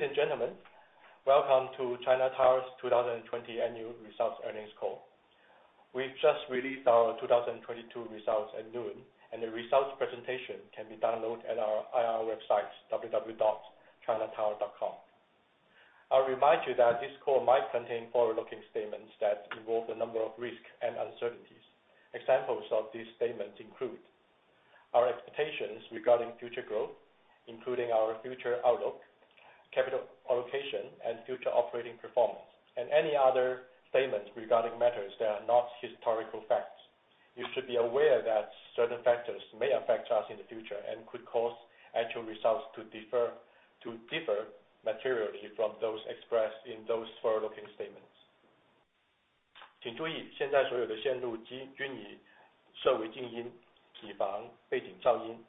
Ladies and gentlemen, welcome to China Tower's 2020 annual results earnings call. We've just released our 2022 results at noon. The results presentation can be downloaded at our IR website ir.china-tower.com. I'll remind you that this call might contain forward-looking statements that involve a number of risks and uncertainties. Examples of these statements include our expectations regarding future growth, including our future outlook, capital allocation and future operating performance, any other statements regarding matters that are not historical facts. You should be aware that certain factors may affect us in the future and could cause actual results to differ materially from those expressed in those forward-looking statements. 请注 意， 现在所有的线路均已设为静 音， 以防背景噪音。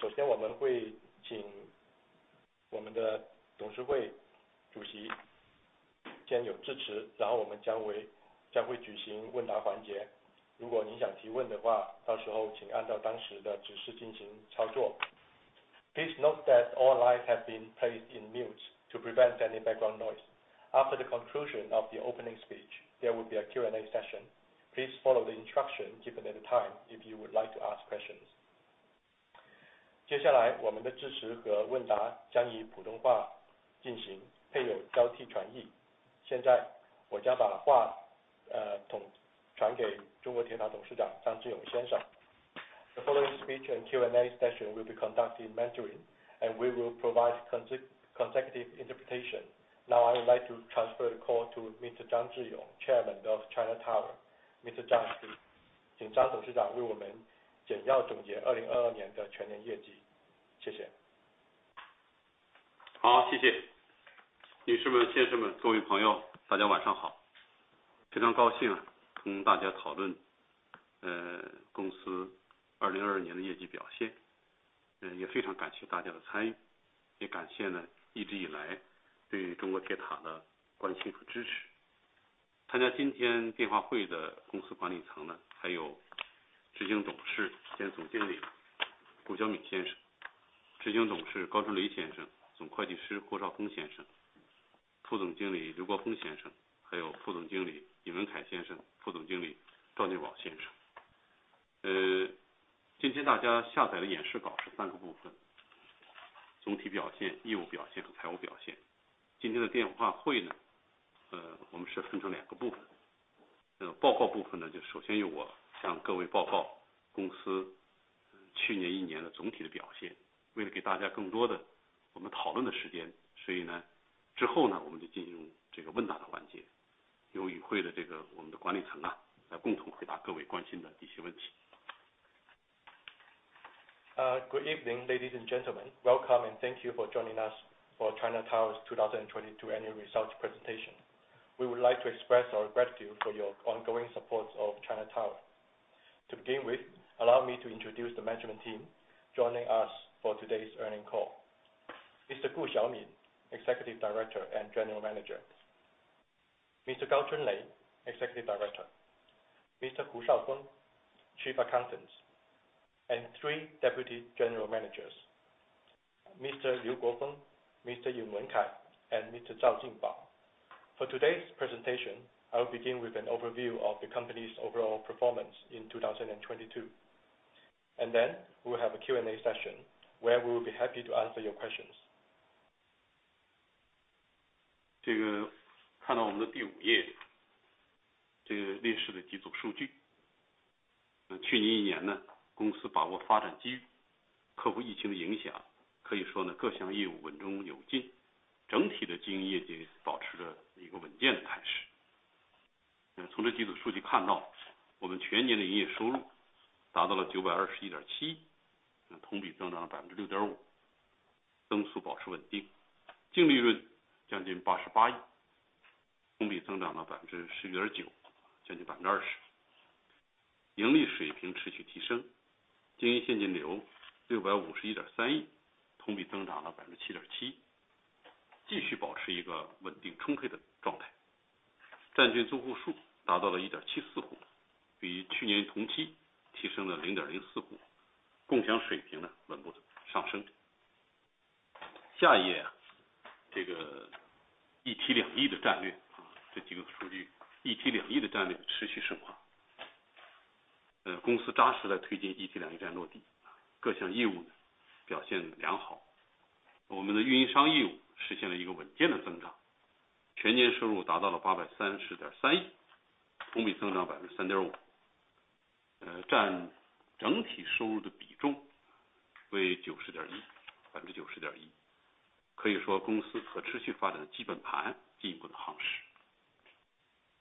首先我们会请我们的董事会主席先做致 辞， 然后我们将会举行问答环节。如果您想提问的 话， 到时候请按照当时的指示进行操作。Please note that all lines have been placed in mute to prevent any background noise. After the conclusion of the opening speech, there will be a Q&A session. Please follow the instructions given at the time if you would like to ask questions. 接下来我们的致辞和问答将以普通话进 行， 配有交替传译。现在我就把话传给中国铁塔董事长张志勇先生。The following speech and Q&A session will be conducted in Mandarin and we will provide consecutive interpretation. I would like to transfer the call to Mr. Zhang Zhiyong, Chairman of China Tower. Mr. Zhang please. 请张董事长为我们简要总结2022年的全年业绩。谢谢。好， 谢谢。女士们、先生 们， 各位朋 友， 大家晚上 好！ 非常高兴同大家讨论 呃， 公司2022年的业绩表 现， 也非常感谢大家的参 与， 也感谢呢一直以来对中国铁塔的关心和支持。参加今天电话会的公司管理层 呢， 还有执行董事兼总经理顾晓敏先生、执行董事高春雷先生、总会计师霍绍峰先生、副总经理刘国峰先 生， 还有副总经理尹文凯先生、副总经理赵晋宝先生。呃， 今天大家下载的演示稿是三个部 分， 总体表现、业务表现和财务表现。今天的电话会 呢， 呃， 我们是分成两个部 分， 呃报告部分 呢， 就首先由我向各位报告公司去年一年的总体的表现。为了给大家更多的我们讨论的时 间， 所以 呢， 之后呢我们就进行这个问答的环 节， 由与会的这个我们的管理层啊来共同回答各位关心的一些问题。Good evening, ladies and gentlemen, welcome and thank you for joining us for China Tower's 2022 annual results presentation. We would like to express our gratitude for your ongoing support of China Tower. To begin with, allow me to introduce the management team joining us for today's earning call. Mr. 顾晓敏 Executive Director and General Manager, Mr. 高春雷 Executive Director, Mr. 胡绍峰 Chief Accountant, and three Deputy General Managers Mr. 刘国峰, Mr. 尹文凯 and Mr. 赵晋宝. For today's presentation, I will begin with an overview of the company's overall performance in 2022, and then we will have a Q&A session where we will be happy to answer your questions. 这个看到我们的第五 页， 这个历史的几组数据。过去一年 呢， 公司把握发展机 遇， 克服疫情的影 响， 可以说 呢， 各项业务稳中有 进， 整体的经营业绩保持着一个稳健的态势。从这几组数据看 到， 我们全年的营业收入达到了九百二十一点七 亿， 同比增长了百分之六点 五， 增速保持稳 定， 净利润将近八十八 亿， 同比增长了百分之十点 九， 接近百分之二 十， 盈利水平持续提升。经营现金流六百五十一点三 亿， 同比增长了百分之七点 七， 继续保持一个稳定充沛的状态。占据租户数达到了点七四 户， 比去年同期提升了零点零四 户， 共享水平呢稳步上升。下一 页， 这个一体两翼的战 略， 这几个数 据， 一体两翼的战略持续深 化， 公司扎实地推进一体两翼战略落 地， 各项业务表现良 好， 我们的运营商业务实现了一个稳健的增 长， 全年收入达到了八百三十点三亿，同比增长百分之三点 五， 呃， 占整体收入的比重为九十点 一， 百分之九十点一。可以说公司可持续发展的基本盘进一步的夯实。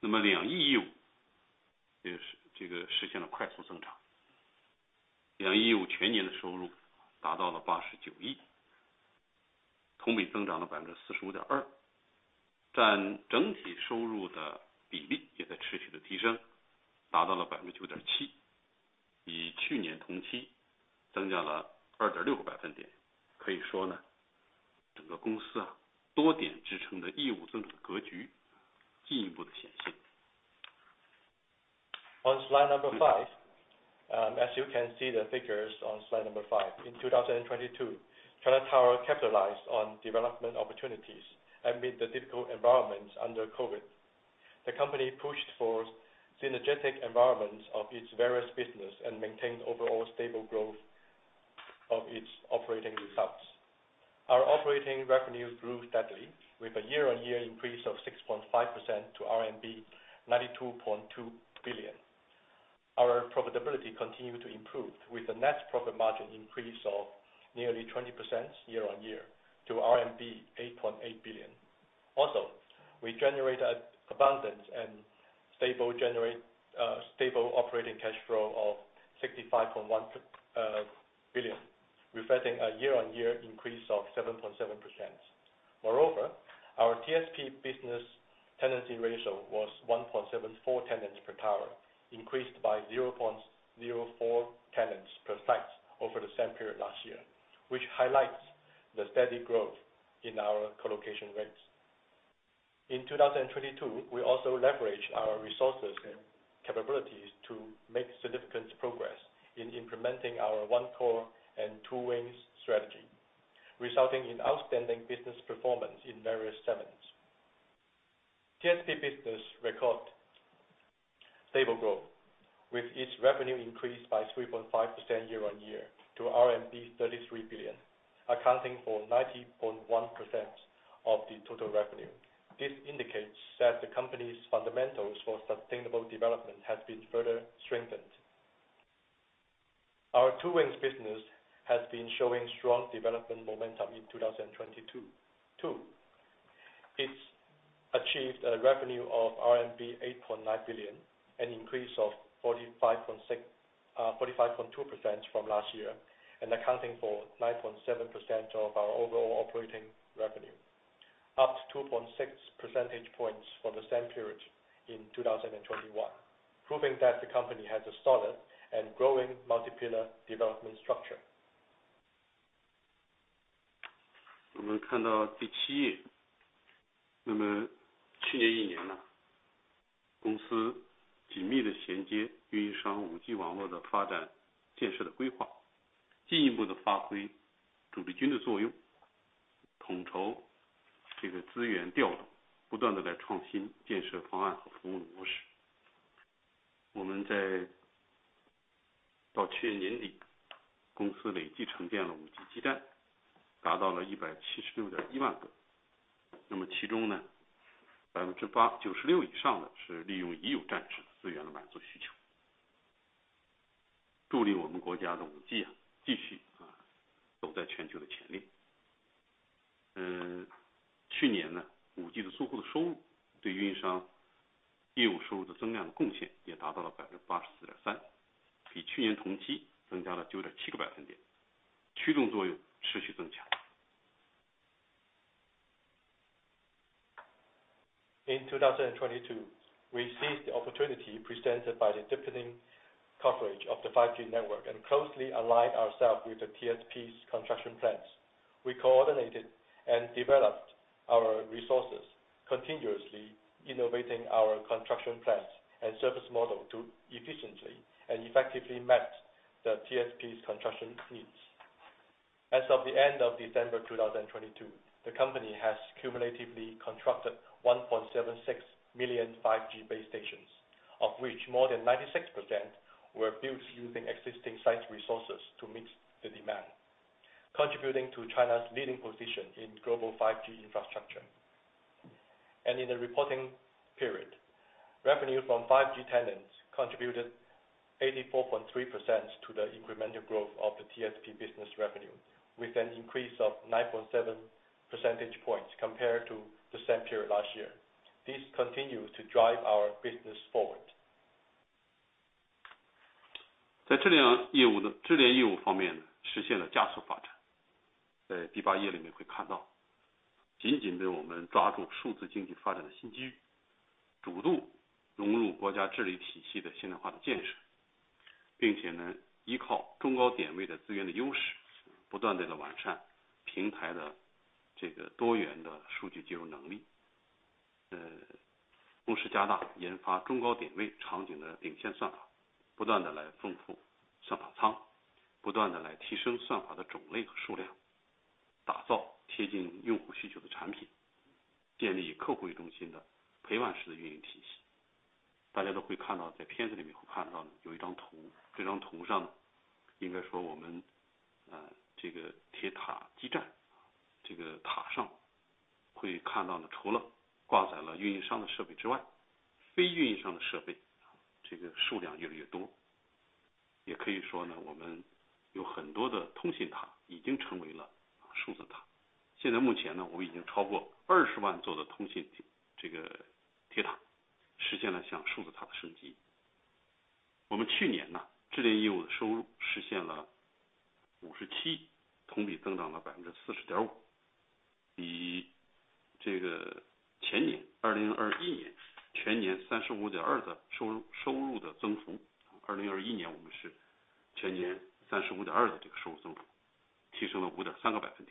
那么两翼业务也是这个实现了快速增 长， 两翼业务全年的收入达到了八十九 亿， 同比增长了百分之四十五点 二， 占整体收入的比例也在持续的提 升， 达到了百分之九点 七， 比去年同期增加了二点六个百分点。可以说 呢， 整个公司啊多点支撑的业务发展格局进一步的显现。On slide number five. As you can see the figures on slide number five. In 2022, China Tower capitalized on development opportunities amid the difficult environment under COVID. The company pushed for synergetic environments of its various business and maintained overall stable growth of its operating results. Our operating revenue grew steadily with a year-over-year increase of 6.5% to RMB 92.2 billion. Our profitability continued to improve with the net profit margin increase of nearly 20% year-over-year to RMB 8.8 billion. We generated abundant and stable operating cash flow of 65.1 billion, reflecting a year-over-year increase of 7.7%. Moreover, our TSP business tenancy ratio was 1.74 tenants per tower, increased by 0.04 tenants per site over the same period last year, which highlights the steady growth in our colocation rates. In 2022, we also leveraged our resources and capabilities to make significant progress in implementing our One Core and Two Wings strategy, resulting in outstanding business performance in various segments. TSP business record stable growth with its revenue increased by 3.5% year-on-year to RMB 33 billion, accounting for 90.1% of the total revenue. This indicates that the company's fundamentals for sustainable development has been further strengthened. Our Two Wings business has been showing strong development momentum in 2022. It's achieved a revenue of RMB 8.9 billion, an increase of 45.2% from last year and accounting for 9.7% of our overall operating revenue, up 2.6% points from the same period in 2021, proving that the company has a solid and growing multi-pillar development structure. 我们看到第七页。那么去年一年 呢， 公司紧密地衔接运营商五 G 网络的发展建设的规 划， 进一步地发挥主力军的作 用， 统筹这个资源调 动， 不断地来创新建设方案和服务的模式。我们在到去年年 底， 公司累计建成了一五 G 基 站， 达到了一百七十六点一万个。那么其中 呢， 百分之八--九十六以上的是利用已有站址资源的满足需 求， 助力我们国家的五 G 啊， 继续 啊， 走在全球的前列。呃， 去年 呢， 五 G 的租户的收入对运营商业务收入的增量的贡献也达到了百分之八十四点 三， 比去年同期增加了九点七个百分 点， 驱动作用持续增强。In 2022, we seized the opportunity presented by the deepening coverage of the 5G network and closely aligned ourselves with the TSPs construction plans. We coordinated and developed our resources continuously, innovating our construction plans and service model to efficiently and effectively meet the TSPs construction needs. As of the end of December 2022, the company has cumulatively constructed 1.76 million 5G base stations, of which more than 96% were built using existing site resources to meet the demand, contributing to China's leading position in global 5G infrastructure. In the reporting period, revenue from 5G tenants contributed 84.3% to the incremental growth of the TSP business revenue, with an increase of 9.7% points compared to the same period last year. This continues to drive our business forward. 在智联业务方面实现了加速发展。在 eighth page 里面会看 到， 紧紧地我们抓住数字经济发展的新机 遇， 主动融入国家治理体系的现代化的建 设， 并且依靠中高点位的资源的优 势， 不断地来完善平台的这个多元的数据接入能力。同时加大研发中高点位场景的领先算 法， 不断地来丰富 算法仓， 不断地来提升算法的种类和数量，打造贴近用户需求的产 品， 建立客户为中心的陪伴式的运营体系。大家都会看 到， 在片子里面会看 到， 有一张 图， 这张图上应该说我们这个铁塔基 站， 这个塔上会看 到， 除了挂载了运营商的设备之 外， 非运营商的设备这个数量越来越 多， 也可以 说， 我们有很多的通信塔已经成为了数字塔。现在目 前， 我们已经超过 200,000 座的通信这个铁塔实现了向数字塔的升级。我们去 年， 智联业务的收入实现了 RMB 57， 同比增长了 40.5%， 比这个前年2021年全年 35.2% 的收入增幅，提升了 5.3% points，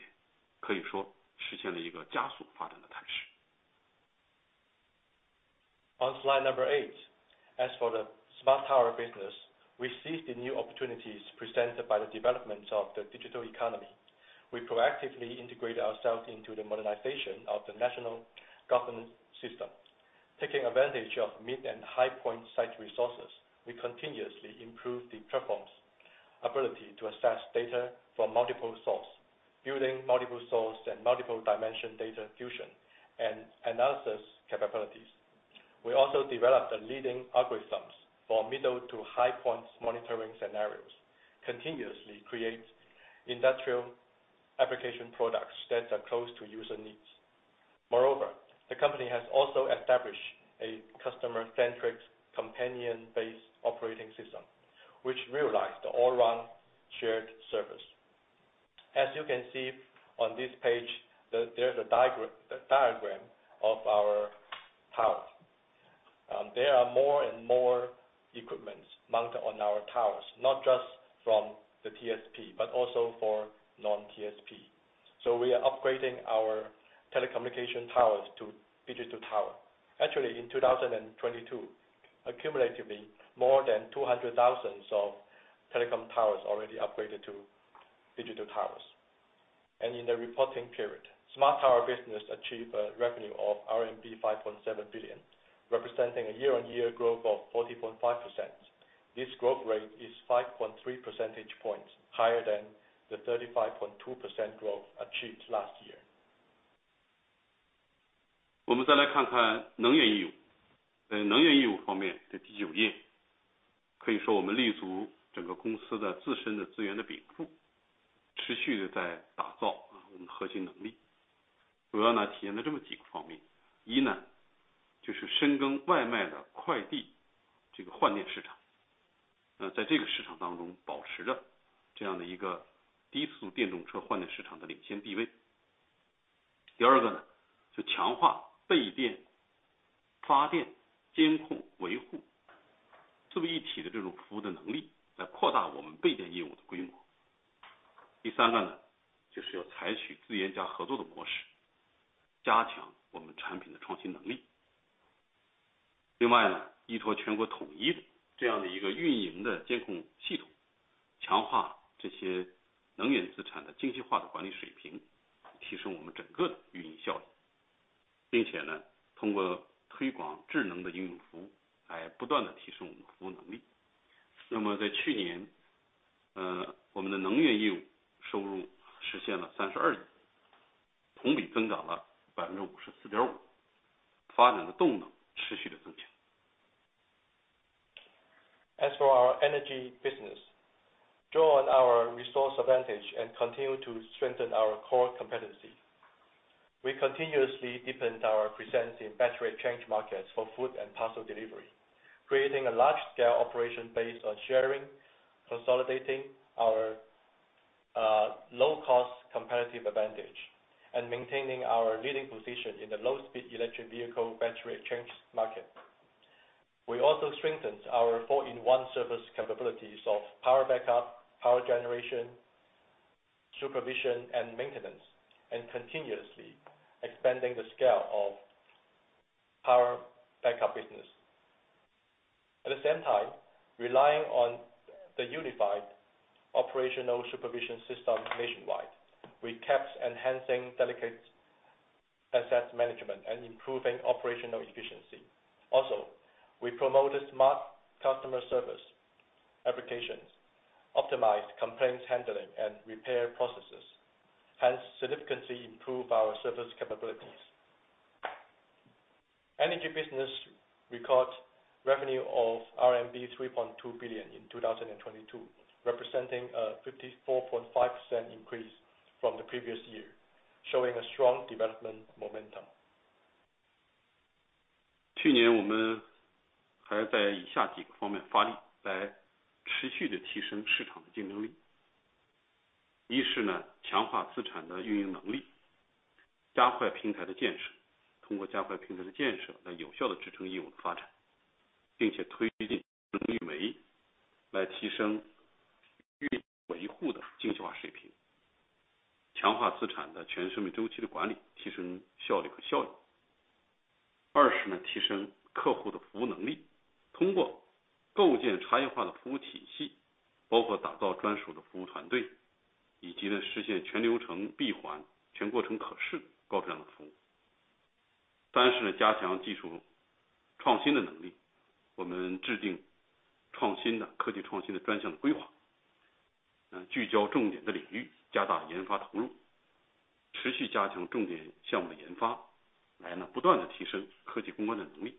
可以说实现了一个加速发展的态势。On slide eight. As for the Smart Tower business, we seize the opportunities presented by the development of the digital economy. We proactively integrate ourselves into the modernization of the national governance system, taking advantage of mid- and high-point site resources. We continuously improve the platform's ability to assess data from multiple sources, building multiple-source and multiple-dimension data fusion and analysis capabilities. We also develop the leading algorithms for middle- to high-point monitoring scenarios, continuously create industrial application products that are close to user needs. Moreover, the company has also established a customer-centric companion-based operating system, which realized all-around shared service. As you can see on this page, there is a diagram of our house. There are more and more equipments mounted on our towers, not just from the TSP, but also for non-TSP. We are upgrading our telecom towers to Digital Tower. Actually, in 2022, accumulatively more than 200,000 of telecom towers already upgraded to Digital Towers. In the reporting period, smart power business achieve a revenue of RMB 5.7 billion, representing a year-over-year growth of 40.5%. This growth rate is 5.3% points higher than the 35.2% growth achieved last year. 我们再来看看能源业务。在能源业务方面的第九 页， 可以说我们立足整个公司的自身的资源的禀 赋， 持续地在打造我们的核心能力。主要 呢， 体现在这么几个方面。一 呢， 就是深耕外卖的快递这个换电市 场， 在这个市场当中保持着这样的一个低速电动车换电市场的领先地位。第二个 呢， 就强化备电、发电、监控、维护这么一体的这种服务的能 力， 来扩大我们备电业务的规模。第三个 呢， 就是要采取自研加合作的模 式， 加强我们产品的创新能力。另外 呢， 依托全国统一的这样的一个运营的监控系 统， 强化这些能源资产的精细化的管理水 平， 提升我们整个的运营效率。并且 呢， 通过推广智能的运维服务，来不断地提升我们的服务能力。那么在去 年， 呃， 我们的能源业务收入实现了三十二 亿， 同比增长了百分之五十四点 五， 发展的动能持续地增强。As for our energy business. Draw on our resource advantage and continue to strengthen our core competency. We continuously deepen our presence in battery change markets for food and parcel delivery, creating a large-scale operation based on sharing, consolidating our low cost competitive advantage and maintaining our leading position in the low-speed electric vehicle battery change market. We also strengthened our four-in-one service capabilities of power backup, power generation, supervision and maintenance, and continuously expanding the scale of power backup business. At the same time, relying on the unified operational supervision system nationwide, we kept enhancing delicate asset management and improving operational efficiency. We promoted smart customer service applications, optimized complaints handling and repair processes, hence significantly improve our service capabilities. Energy business record revenue of RMB 3.2 billion in 2022, representing a 54.5% increase from the previous year, showing a strong development momentum. 去年我们还在以下几个方面发 力， 来持续地提升市场的竞争力。一是 呢， 强化资产的运营能 力， 加快平台的建 设， 通过加快平台的建设来有效地支撑业务的发展，并且推进智慧运 维， 来提升预维护的精细化水 平， 强化资产的全生命周期的管 理， 提升效率和效益。二是 呢， 提升客户的服务能 力， 通过构建差异化的服务体 系， 包括打造专属的服务团 队， 以及呢实现全流程闭 环， 全过程可视高质量的服务。三是 呢， 加强技术创新的能力。我们制定创新的科技创新的专项规 划， 聚焦重点的领 域， 加大研发投 入， 持续加强重点项目的研 发， 来呢不断地提升科技攻关的能力。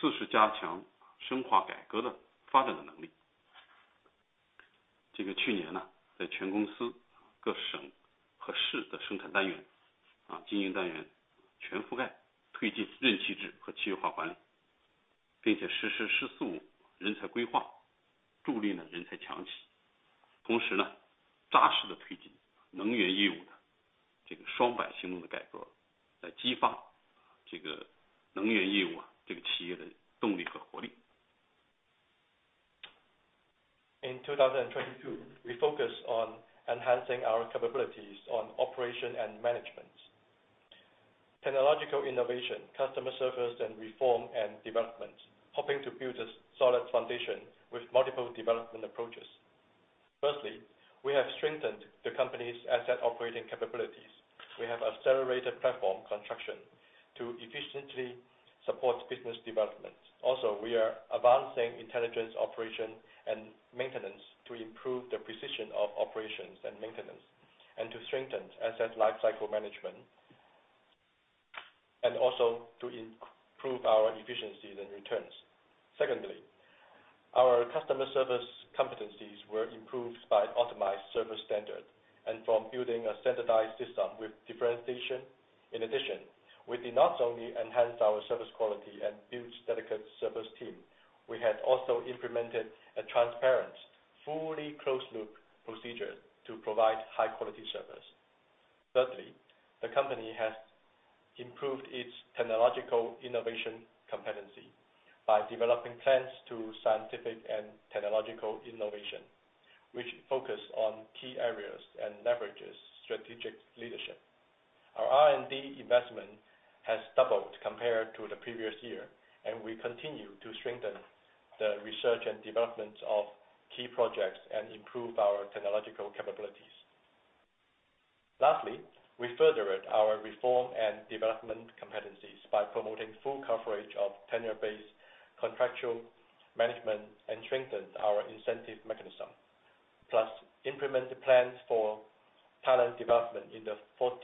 四是加强深化改革的发展的能力。这个去年 呢， 在全公司各省和市的生产单元、啊经营单元全覆 盖， 推进责任机制和契约化管理，并且实施知识人才规 划， 助力呢人才强企。同时 呢， 扎实地推进能源业务的这个双百行动的改 革， 来激发这个能源业务啊这个企业的动力和活力。In 2022, we focus on enhancing our capabilities on operation and management, technological innovation, customer service and reform and development. Hoping to build a solid foundation with multiple development approaches. Firstly, we have strengthened the company's asset operating capabilities. We have accelerated platform construction to efficiently support business development. Also, we are advancing intelligence operation and maintenance to improve the precision of operations and maintenance and to strengthen asset lifecycle management and also to improve our efficiency and returns. Secondly, our customer service competencies were improved by optimized service standard and from building a standardized system with differentiation. In addition, we did not only enhance our service quality and build dedicated service team, we had also implemented a transparent, fully closed loop procedure to provide high quality service. Thirdly, the company has improved its technological innovation competency by developing plans to scientific and technological innovation, which focus on key areas and leverages strategic leadership. Our R&D investment has doubled compared to the previous year. We continue to strengthen the research and development of key projects and improve our technological capabilities. Lastly, we furthered our reform and development competencies by promoting full coverage of tenure-based contractual management and strengthened our incentive mechanism, plus implemented plans for talent development in the 14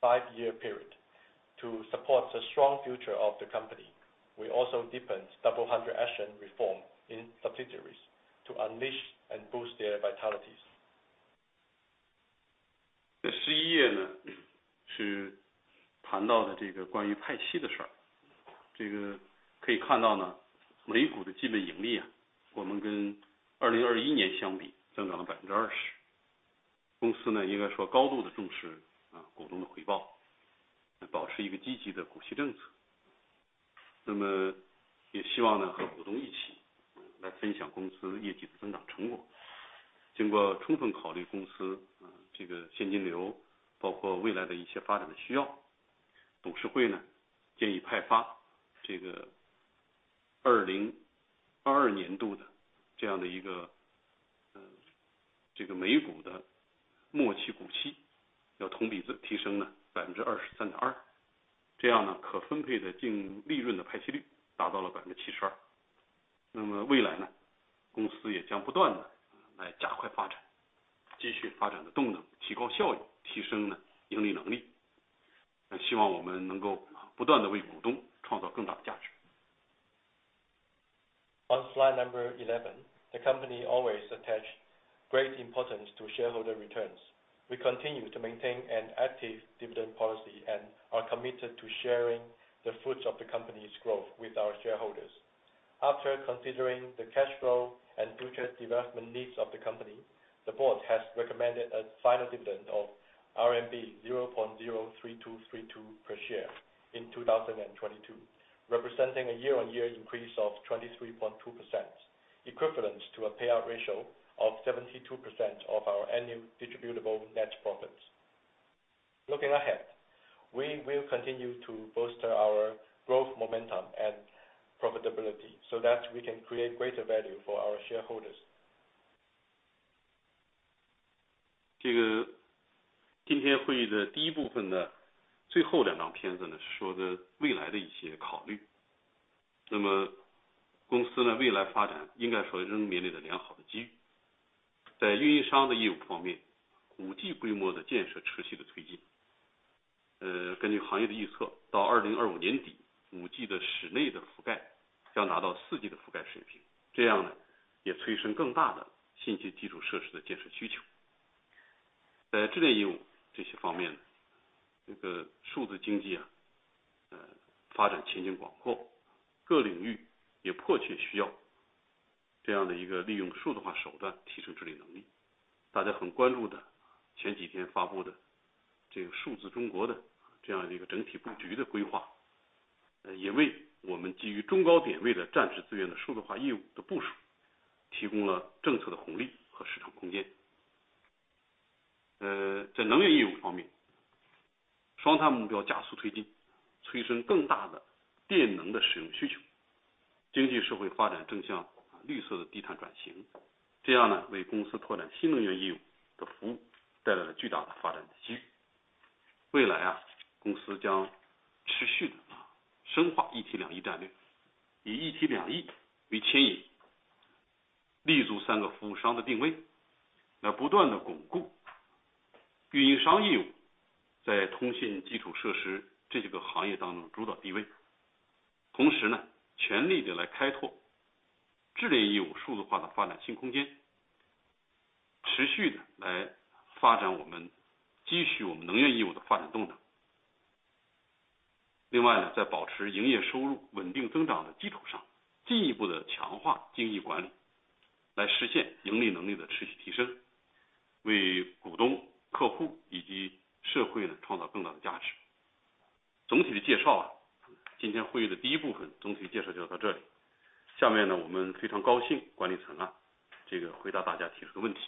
five year period. To support the strong future of the company. We also deepened Double Hundred Action reform in subsidiaries to unleash and boost their vitalities. 在 11页 呢， 是谈到的这个关于派息的事。这个可以看到 呢， 每股的净的盈利 啊， 我们跟 2021年 相比增长了 20%。公司 呢， 应该说高度地重视啊股东的回 报， 保持一个积极的股息政策。也希望 呢， 和股东一起来分享公司业绩的增长成果。经过充分考虑公司这个现金 流， 包括未来的一些发展的需 要， 董事会 呢， 建议派发这个 2022年度 的这样的一个每股的末期股 息， 要同比提升呢 23.2%。这样 呢， 可分配的净利润的派息率达到了 72%。未来 呢， 公司也将不断地来加快发 展， 继续发展的动 能， 提高效 率， 提升呢盈利能力。希望我们能够不断地为股东创造更大的价值。On slide number 11. The company always attach great importance to shareholder returns. We continue to maintain an active dividend policy and are committed to sharing the fruits of the company's growth with our shareholders. After considering the cash flow and future development needs of the company, the board has recommended a final dividend of RMB 0.03232 per share in 2022, representing a year-over-year increase of 23.2%, equivalent to a payout ratio of 72% of our annual distributable net profits. Looking ahead, we will continue to bolster our growth, momentum and profitability so that we can create greater value for our shareholders. 这个今天会议的第一部分的最后两张片子 呢， 是说的未来的一些考虑。那么公司 呢， 未来发展应该说仍面临着良好的机遇。在运营商的业务方面 ，5G 规模的建设持续地推进。呃， 根据行业的预 测， 到2025年底 ，5G 的室内的覆盖将达到 4G 的覆盖水 平， 这样 呢， 也催生更大的信息基础设施的建设需求。在智联业务这些方 面， 这个数字经济 啊， 呃， 发展前景广 阔， 各领域也迫切需要这样的一个利用数化手段提升治理能力。大家很关注的前几天发布的这个数字中国的这样一个整体布局的规 划， 也为我们基于中高点位的战事资源的数化业务的部署提供了政策的红利和市场空间。呃， 在能源业务方 面， 双碳目标加速推 进， 催生更大的电能的使用需求。经济社会发展正向绿色的低碳转 型， 这样 呢， 为公司拓展新能源业务的服务带来了巨大的发展机遇。未来 啊， 公司将持续地 啊， 深化一体两翼战 略， 以一体两翼为牵 引， 立足三个服务商的定 位， 来不断地巩固运营商业务在通信基础设施这几个行业当中主导地位。同时 呢， 全力地来开拓智联业务数字化的发展新空 间， 持续地来发展我 们， 积蓄我们能源业务的发展动能。另外 呢， 在保持营业收入稳定增长的基础 上， 进一步地强化精益管 理， 来实现盈利能力的持续提 升， 为股东、客户以及社会呢创造更大的价值。总体的介绍 啊， 今天会议的第一部分总体介绍就到这里。下面 呢， 我们非常高 兴， 管理层 啊， 这个回答大家提出的问题。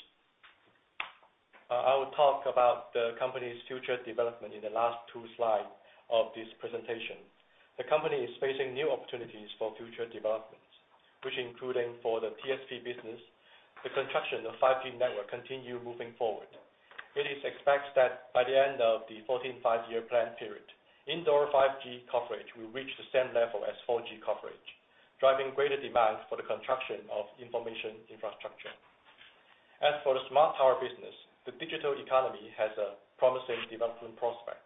I'll talk about the company's future development in the last two slides of this presentation. The company is facing new opportunities for future developments, which including for the TSP business. The construction of 5G network continue moving forward. It is expect that by the end of the fourteenth five-year plan period, indoor 5G coverage will reach the same level as 4G coverage, driving greater demand for the construction of information infrastructure. As for the Smart Tower business, the digital economy has a promising development prospect.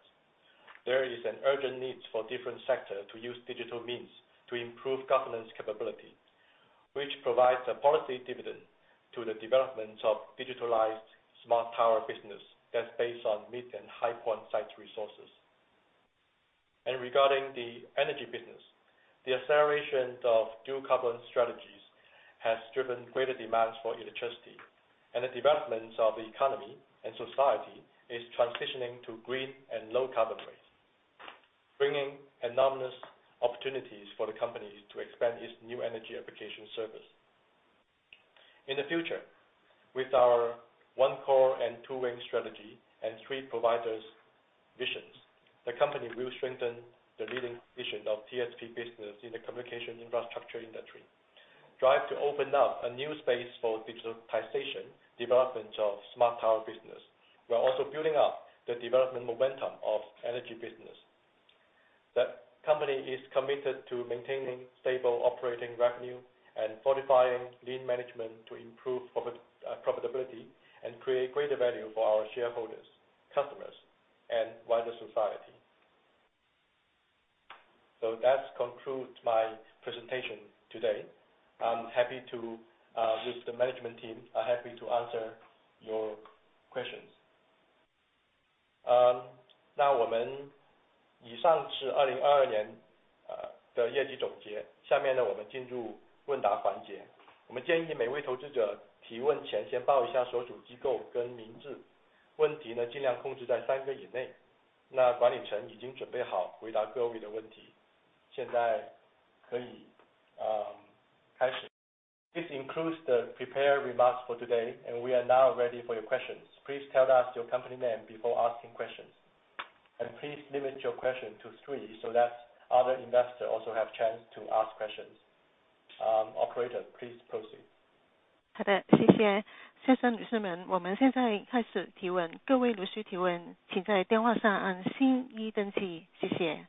There is an urgent need for different sector to use digital means to improve governance capability, which provides a policy dividend to the development of digitalized Smart Tower business that's based on mid and high point sites resources. Regarding the energy business, the acceleration of dual carbon strategies has driven greater demands for electricity, and the development of the economy and society is transitioning to green and low carbon rate, bringing enormous opportunities for the company to expand its new energy application service. In the future with our One Core and Two Wings strategy and three providers visions, the company will strengthen the leading vision of TSP business in the communication infrastructure industry. Drive to open up a new space for digitalization development of Smart Tower business, while also building up the development momentum of energy business. The company is committed to maintaining stable operating revenue and fortifying lean management to improve profitability and create greater value for our shareholders, customers and wider society. That's conclude my presentation today. I'm happy to with the management team, are happy to answer your questions. 那我们以上是2022年的业绩总结。下面 呢， 我们进入问答环节。我们建议每位投资者提问前先报一下所属机构跟名 字， 问题呢尽量控制在 three 个以内。那管理层已经准备好回答各位的问 题， 现在可以开始。This includes the prepare remarks for today and we are now ready for your questions. Please tell us your company name before asking questions. Please limit your question to three so that other investors also have chance to ask questions. Operator, please proceed. 好的，谢谢。先生女士们，我们现在开始提问。各位律师提问请在电话上按星一登记。谢谢。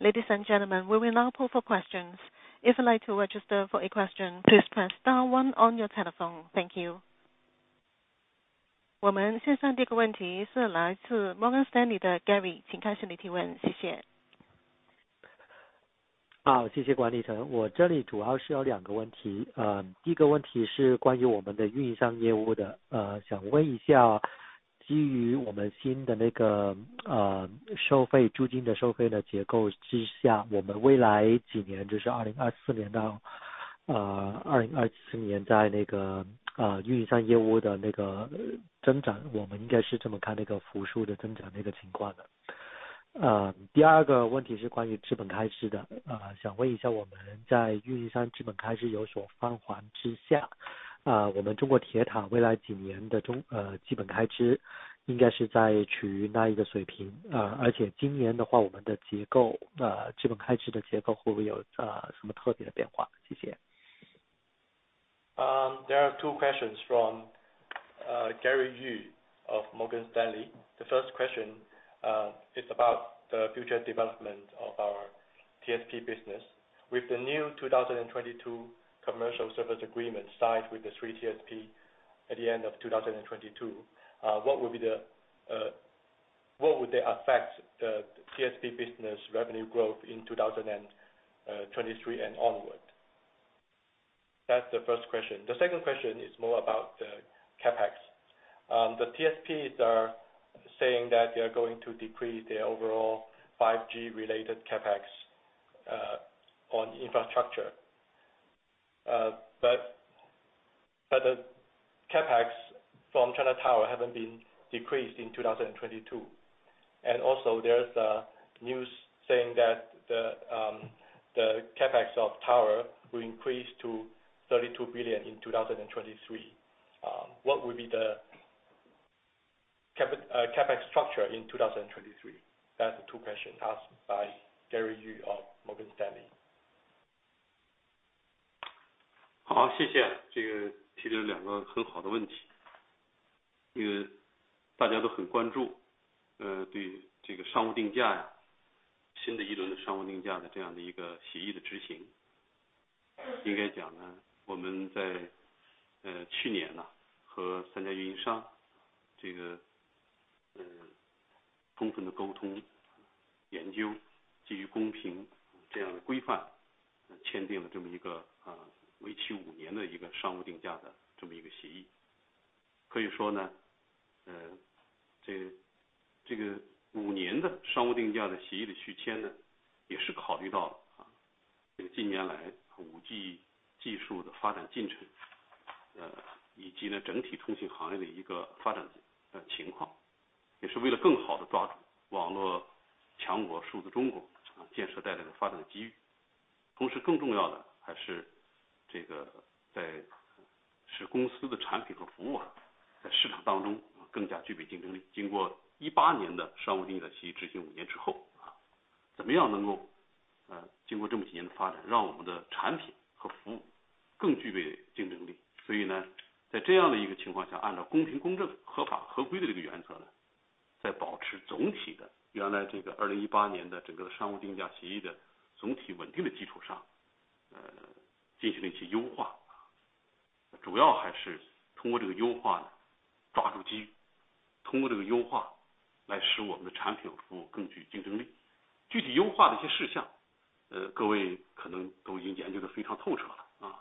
Ladies and gentlemen, we will now pull for questions. If you like to register for a question, please press star one on your telephone. Thank you. 我们线上第一个问题是来自 Morgan Stanley 的 Gary，请开始你的提问。谢谢。好， 谢谢管理层。我这里主要是有两个问题。呃， 第一个问题是关于我们的运营商业务 的， 呃， 想问一 下， 基于我们新的那 个， 呃， 收费租金的收费的结构之 下， 我们未来几 年， 就是2024年 到， 呃 ，2027 年在那 个， 呃， 运营商业务的那个增 长， 我们应该是怎么看那个服输的增长那个情况 呢？ 呃， 第二个问题是关于资本开支 的， 呃， 想问一 下， 我们在运营商资本开支有所放缓之 下， 呃， 我们中国铁塔未来几年 的， 呃， 资本开支应该是在趋于哪一个水 平？ 呃， 而且今年的 话， 我们的结 构， 呃， 资本开支的结构会不会 有， 呃， 什么特别的变 化？ 谢谢。There are two questions from Gary Yu of Morgan Stanley. The first question is about the future development of our TSP business with the new 2022 Commercial Pricing Agreement signed with the three TSPs at the end of 2022. What would they affect the TSP business revenue growth in 2023 and onward? That's the first question. The second question is more about the CapEx. The TSPs are saying that they are going to decrease their overall 5G related CapEx on infrastructure. The CapEx from China Tower haven't been decreased in 2022. Also there's a news saying that the CapEx of tower will increase to 32 billion in 2023. What would be the CapEx structure in 2023? That's the two question asked by Gary Yu of Morgan Stanley. 好， 谢谢。这个提了两个很好的问 题， 这个大家都很关 注， 呃， 对这个商务定价 呀， 新的一轮的商务定价的这样的一个协议的执 行， 应该讲 呢， 我们 在， 呃， 去年 呢， 和三家运营商这 个， 呃， 充分的沟通研 究， 基于公平这样的规 范， 签订了这么一 个， 呃， 为期五年的一个商务定价的这么一个协议。可以说 呢， 呃， 这-这个五年的商务定价的协议的续签 呢， 也是考虑到 了， 啊， 这近年来 5G 技术的发展进程。以及呢整体通信行业的一个发展呃情况也是为了更好地抓住网络强国数字中国建设带来的发展机遇同时更重要的还是这个在使公司的产品和服务啊在市场当中更加具备竞争力经过一八年的商务定价协议执行五年之后啊怎么样能够呃经过这么几年的发展让我们的产品和服务更具备竞争力所以呢在这样的一个情况下按照公平公正合法合规的这个原则呢在保持总体的原来这个二零一八年的整个商务定价协议的总体稳定的基础上呃进行了一些优化主要还是通过这个优化呢抓住机遇通过这个优化来使我们的产品和服务更具竞争力具体优化的一些事项呃各位可能都已经研究得非常透彻了啊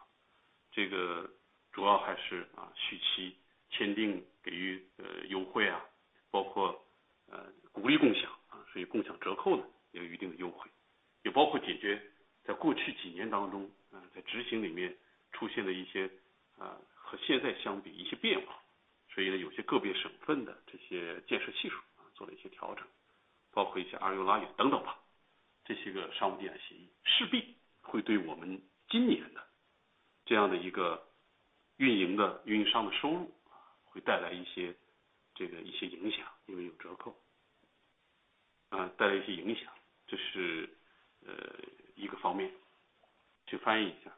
这个主要还是啊续期签订给予呃优惠啊包括呃鼓励共享啊所以共享折扣呢也有一定的优惠也包括解决在过去几年当中啊在执行里面出现的一些呃和现在相比一些变化所以呢有些个别省份的这些建设系数啊做了一些调整包括一些阿尤拉宇等等吧这些个商务定价协议势必会对我们今年的这样的一个运营的运营商的收入会带来一些这个一些影响因为有折扣啊带来一些影响这是呃一个方面请翻译一下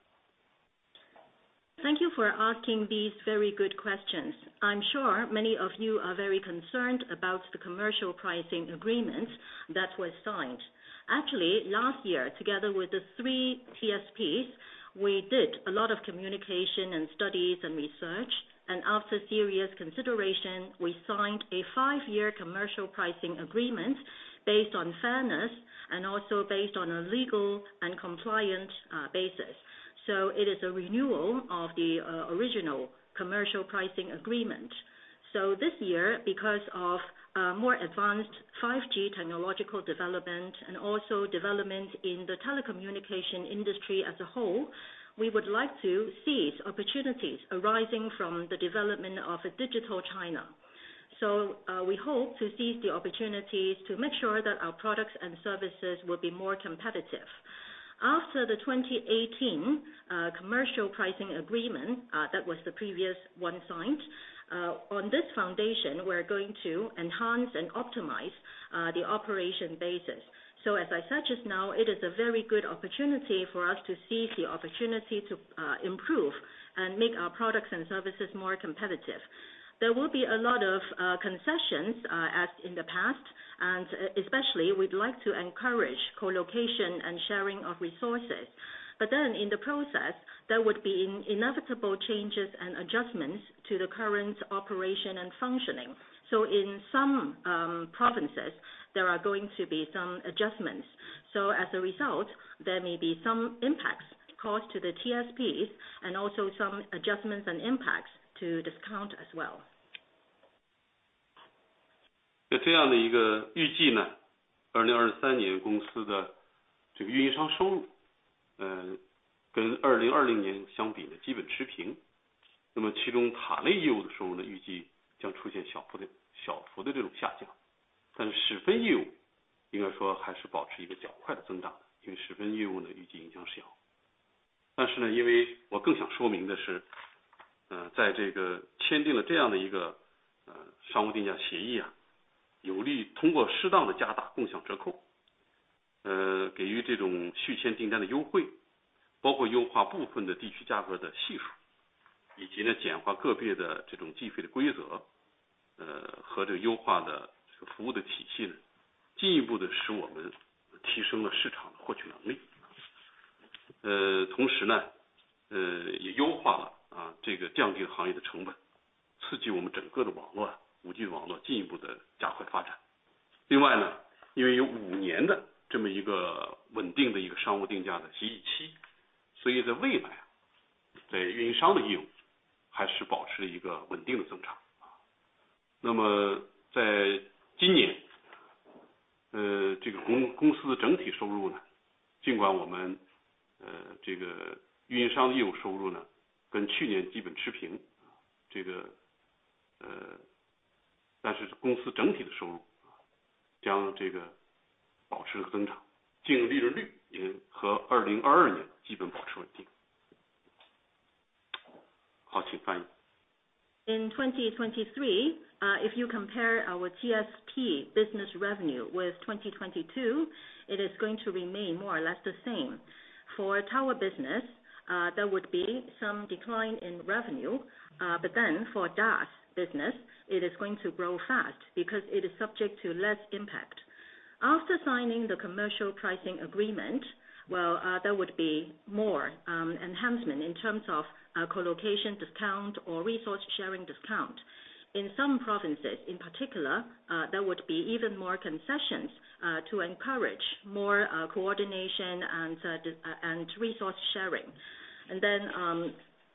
Thank you for asking these very good questions. I'm sure many of you are very concerned about the Commercial Pricing Agreements that were signed. Actually, last year together with the 3 TSPs, we did a lot of communication and studies and research. After serious consideration, we signed a five-year Commercial Pricing Agreement based on fairness and also based on a legal and compliant basis. It is a renewal of the original Commercial Pricing Agreement. This year, because of more advanced 5G technological development and also development in the telecommunication industry as a whole, we would like to seize opportunities arising from the development of a Digital China. We hope to seize the opportunities to make sure that our products and services will be more competitive. After the 2018 Commercial Pricing Agreement, that was the previous one signed, on this foundation, we are going to enhance and optimize the operation basis. As I said just now, it is a very good opportunity for us to seize the opportunity to improve and make our products and services more competitive. There will be a lot of concessions as in the past, and especially we'd like to encourage co-location and sharing of resources. In the process, there would be inevitable changes and adjustments to the current operation and functioning. In some provinces, there are going to be some adjustments. As a result, there may be some impacts caused to the TSPs and also some adjustments and impacts to discount as well. 在这样的一个预计呢二零二三年公司的这个运营商收入呃跟二零二零年相比呢基本持平那么其中塔内业务的收入呢预计将出现小幅的小幅的这种下降但是室分业务应该说还是保持一个较快的增长因为室分业务呢预计影响小但是呢因为我更想说明的是呃在这个签订了这样的一个呃商务定价协议啊有利通过适当的加大共享折扣呃给予这种续签订单的优惠包括优化部分的地区价格的系数以及呢简化个别的这种计费的规则呃和这个优化的这个服务的体系进一步地使我们提升了市场的获取能力啊呃同时呢呃也优化了啊这个降低了行业的成本刺激我们整个的网络啊 5G 网络进一步地加快发展另外呢因为有五年的这么一个稳定的一个商务定价的协议期所以在未来在运营商的业务还是保持一个稳定的增长啊那么在今年呃这个公-公司的整体收入呢尽管我们呃这个运营商业务收入呢跟去年基本持平这个呃但是公司整体的收入将这个保持增长净利润率也和二零二二年基本保持稳定好请翻译 In 2023, if you compare our TSP business revenue with 2022, it is going to remain more or less the same. For tower business, there would be some decline in revenue. For DAS business, it is going to grow fast because it is subject to less impact. After signing the Commercial Pricing Agreement, there would be more enhancement in terms of co-location discount or resource sharing discount. In some provinces in particular, there would be even more concessions to encourage more coordination and resource sharing.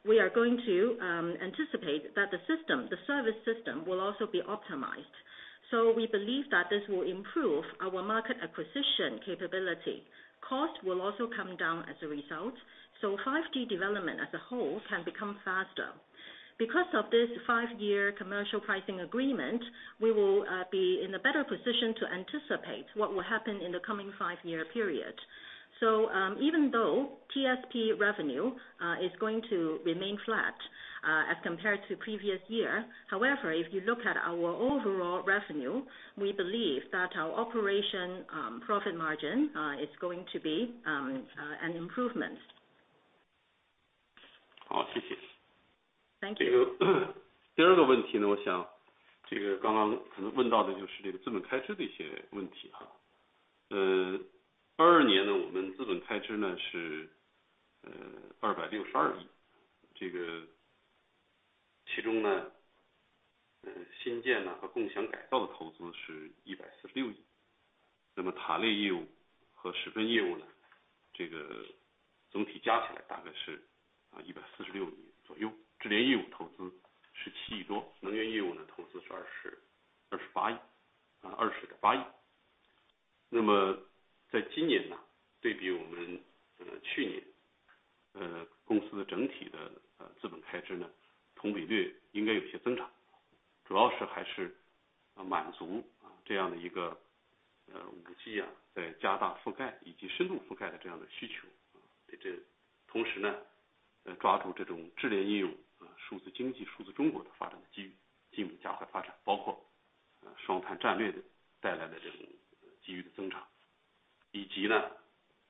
We are going to anticipate that the system, the service system will also be optimized. We believe that this will improve our market acquisition capability. Cost will also come down as a result. 5G development as a whole can become faster. Because of this five-year Commercial Pricing Agreement, we will be in a better position to anticipate what will happen in the coming five-year period. Even though TSP revenue is going to remain flat as compared to previous year. However, if you look at our overall revenue, we believe that our operation profit margin is going to be an improvement. 好， 谢谢。Thank you. 这个第二个问题 呢， 我想这个刚刚可能问到的就是这个资本开支的一些问题哈。呃二二年我们资本开支 呢， 是呃二百六十二 亿， 这个其中呢呃新建呢和共享改造的投资是一百四十六 亿， 那么塔类业务和石芬业务 呢， 这个总体加起来大概是啊一百四十六亿左 右， 智联业务投资十七亿 多， 能源业务的投资是二 十， 二十八 亿， 啊二十点八亿。那么在今年 呢， 对比我们呃去年呃公司的整体的呃资本开支 呢， 同比略应该有些增 长， 主要是还是满足这样的一个呃 5G 啊在加大覆盖以及深度覆盖的这样的需求。这同时呢呃抓住这种智联应用、数字经济、数字中国的发展机 遇， 进一步加快发 展， 包括双碳战略的带来的这种机遇的增 长， 以及呢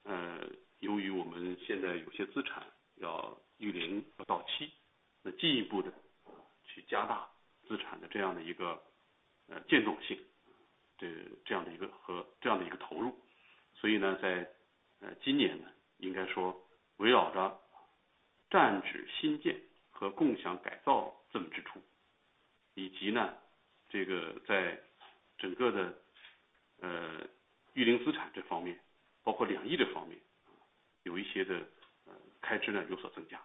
呃由于我们现在有些资产要预定要到 期， 那进一步的去加大资产的这样的一个呃建设 性， 对这样的一个和这样的一个投入。所以 呢， 在呃今年 呢， 应该说围绕着站址新建和共享改造这么支 柱， 以及呢这个在整个的呃预定资产这方 面， 包括两翼的方 面， 有一些的呃开支呢有所增 加，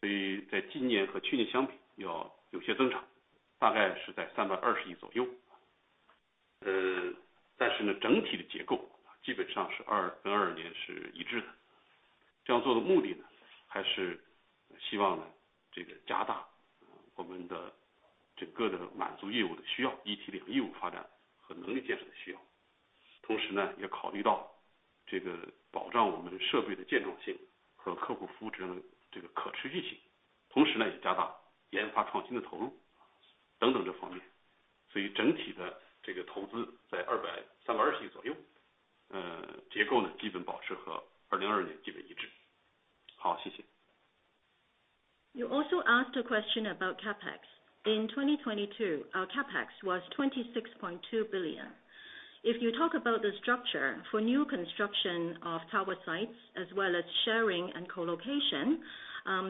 所以在今年和去年相比要有些增 长， 大概是在三百二十亿左右。呃但是 呢， 整体的结构基本上是 二， 跟二二年是一致的。这样做的目的呢，还是希望呢这个加大我们的整个的满足业务的需 要， 一体两翼业务发展和能力建设的需要。同时呢也考虑到这个保障我们社会的建设性和客户服务质量这个可持续 性， 同时呢也加大研发创新的投入等等这方面。所以整体的这个投资在二 百， 三百二十亿左 右， 呃结构呢基本保持和二零二二年基本一致。好， 谢谢。You also asked a question about CapEx. In 2022, our CapEx was 26.2 billion. If you talk about the structure for new construction of tower sites as well as sharing and colocation,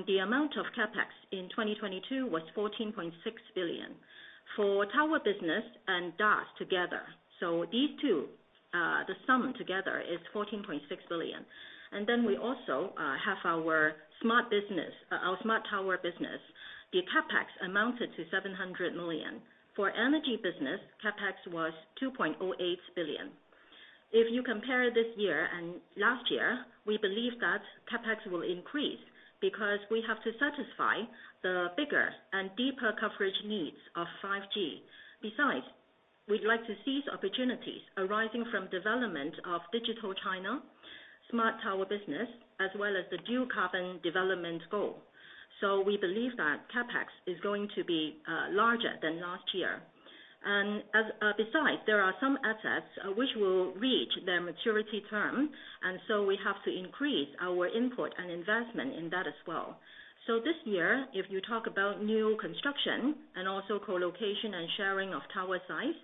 the amount of CapEx in 2022 was 14.6 billion for tower business and DAS together. These two, the sum together is 14.6 billion. We also have our smart business, our Smart Tower business. The CapEx amounted to 700 million. For Energy business, CapEx was 2.08 billion. If you compare this year and last year, we believe that CapEx will increase because we have to satisfy the bigger and deeper coverage needs of 5G. Besides, we'd like to seize opportunities arising from development of Digital China, Smart Tower business as well as the dual carbon development goal. We believe that CapEx is going to be larger than last year. Besides, there are some assets which will reach their maturity term and so we have to increase our input and investment in that as well. This year, if you talk about new construction and also colocation and sharing of tower sites,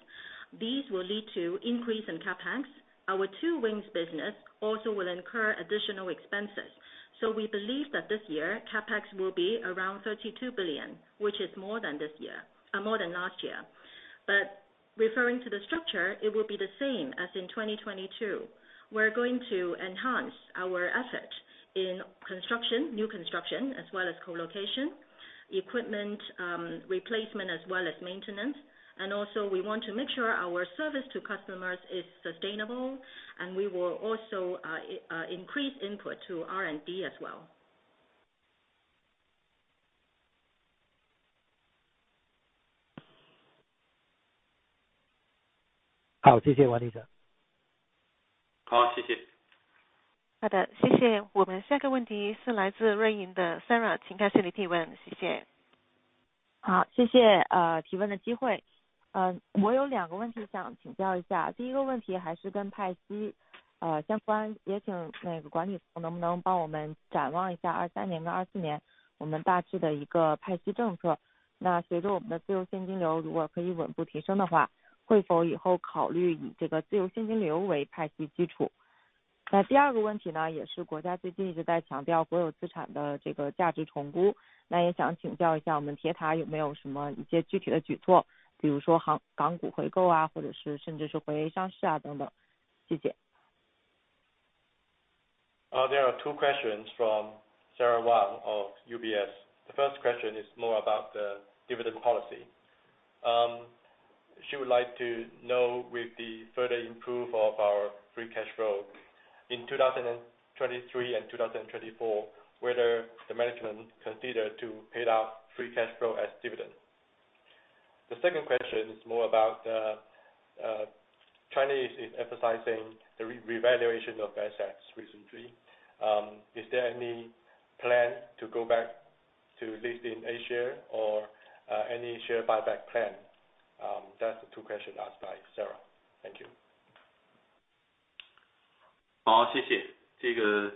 these will lead to increase in CapEx. Our Two Wings business also will incur additional expenses. We believe that this year CapEx will be around 32 billion, which is more than this year, more than last year. Referring to the structure, it will be the same as in 2022. We're going to enhance our effort in construction, new construction as well as colocation, equipment replacement as well as maintenance. Also we want to make sure our service to customers is sustainable and we will also increase input to R&D as well. 好, 谢谢 王记者. 好， 谢谢。好 的， 谢谢。我们下一个问题是来自 UBS 的 Sara， 请开始你的提 问， 谢谢。好， 谢谢呃提问的机会。呃我有两个问题想请教一 下， 第一个问题还是跟派息呃相 关， 也请那个管理层能不能帮我们展望一下二三年到二四年我们大致的一个派息政策。那随着我们的自由现金 流， 如果可以稳步提升的 话， 会否以后考虑以这个自由现金流为派息基 础？ 那第二个问题 呢， 也是国家最近一直在强调所有资产的这个价值重估。那也想请教一 下， 我们铁塔有没有什么一些具体的举 措， 比如说 港， 港股回购 啊， 或者是甚至是回 A 上市啊等 等， 谢谢。There are two questions from Sara Wang of UBS. The first question is more about the dividend policy. She would like to know with the further improve of our free cash flow in 2023 and 2024, whether the management consider to pay out free cash flow as dividend. The second question is more about, Chinese is emphasizing the revaluation of assets recently. Is there any plan to go back to listing A share or, any share buyback plan? That's the two question asked by Sarah. Thank you. 好， 谢谢。这个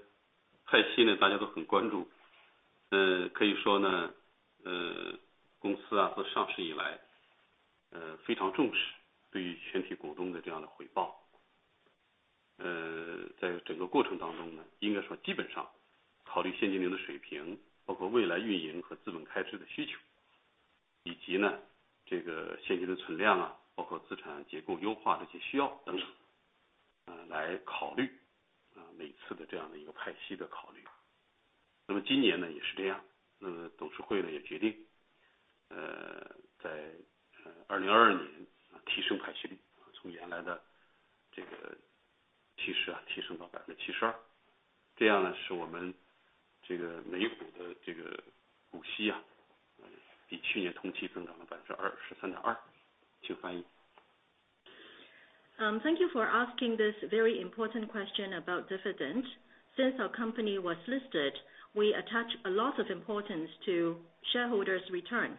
派息 呢， 大家都很关注。呃， 可以说 呢， 呃， 公司 啊， 从上市以 来， 呃， 非常重视对于全体股东的这样的回报。呃， 在整个过程当中 呢， 应该说基本上考虑现金流的水 平， 包括未来运营和资本开支的需 求， 以及 呢， 这个现金的存量 啊， 包括资产结构优化这些需要等 等， 呃， 来考 虑， 呃， 每次的这样的一个派息的考虑。那么今年 呢， 也是这 样， 那么董事会 呢， 也决 定， 呃， 在， 呃 ，2022 年提升派息 率， 从原来的这个七十啊提升到百分之七十二。这样 呢， 使我们这个每股的这个股息 啊， 呃， 比去年同期增长了百分之二十三点二。请翻译。Thank you for asking this very important question about dividend. Since our company was listed, we attach a lot of importance to shareholders return.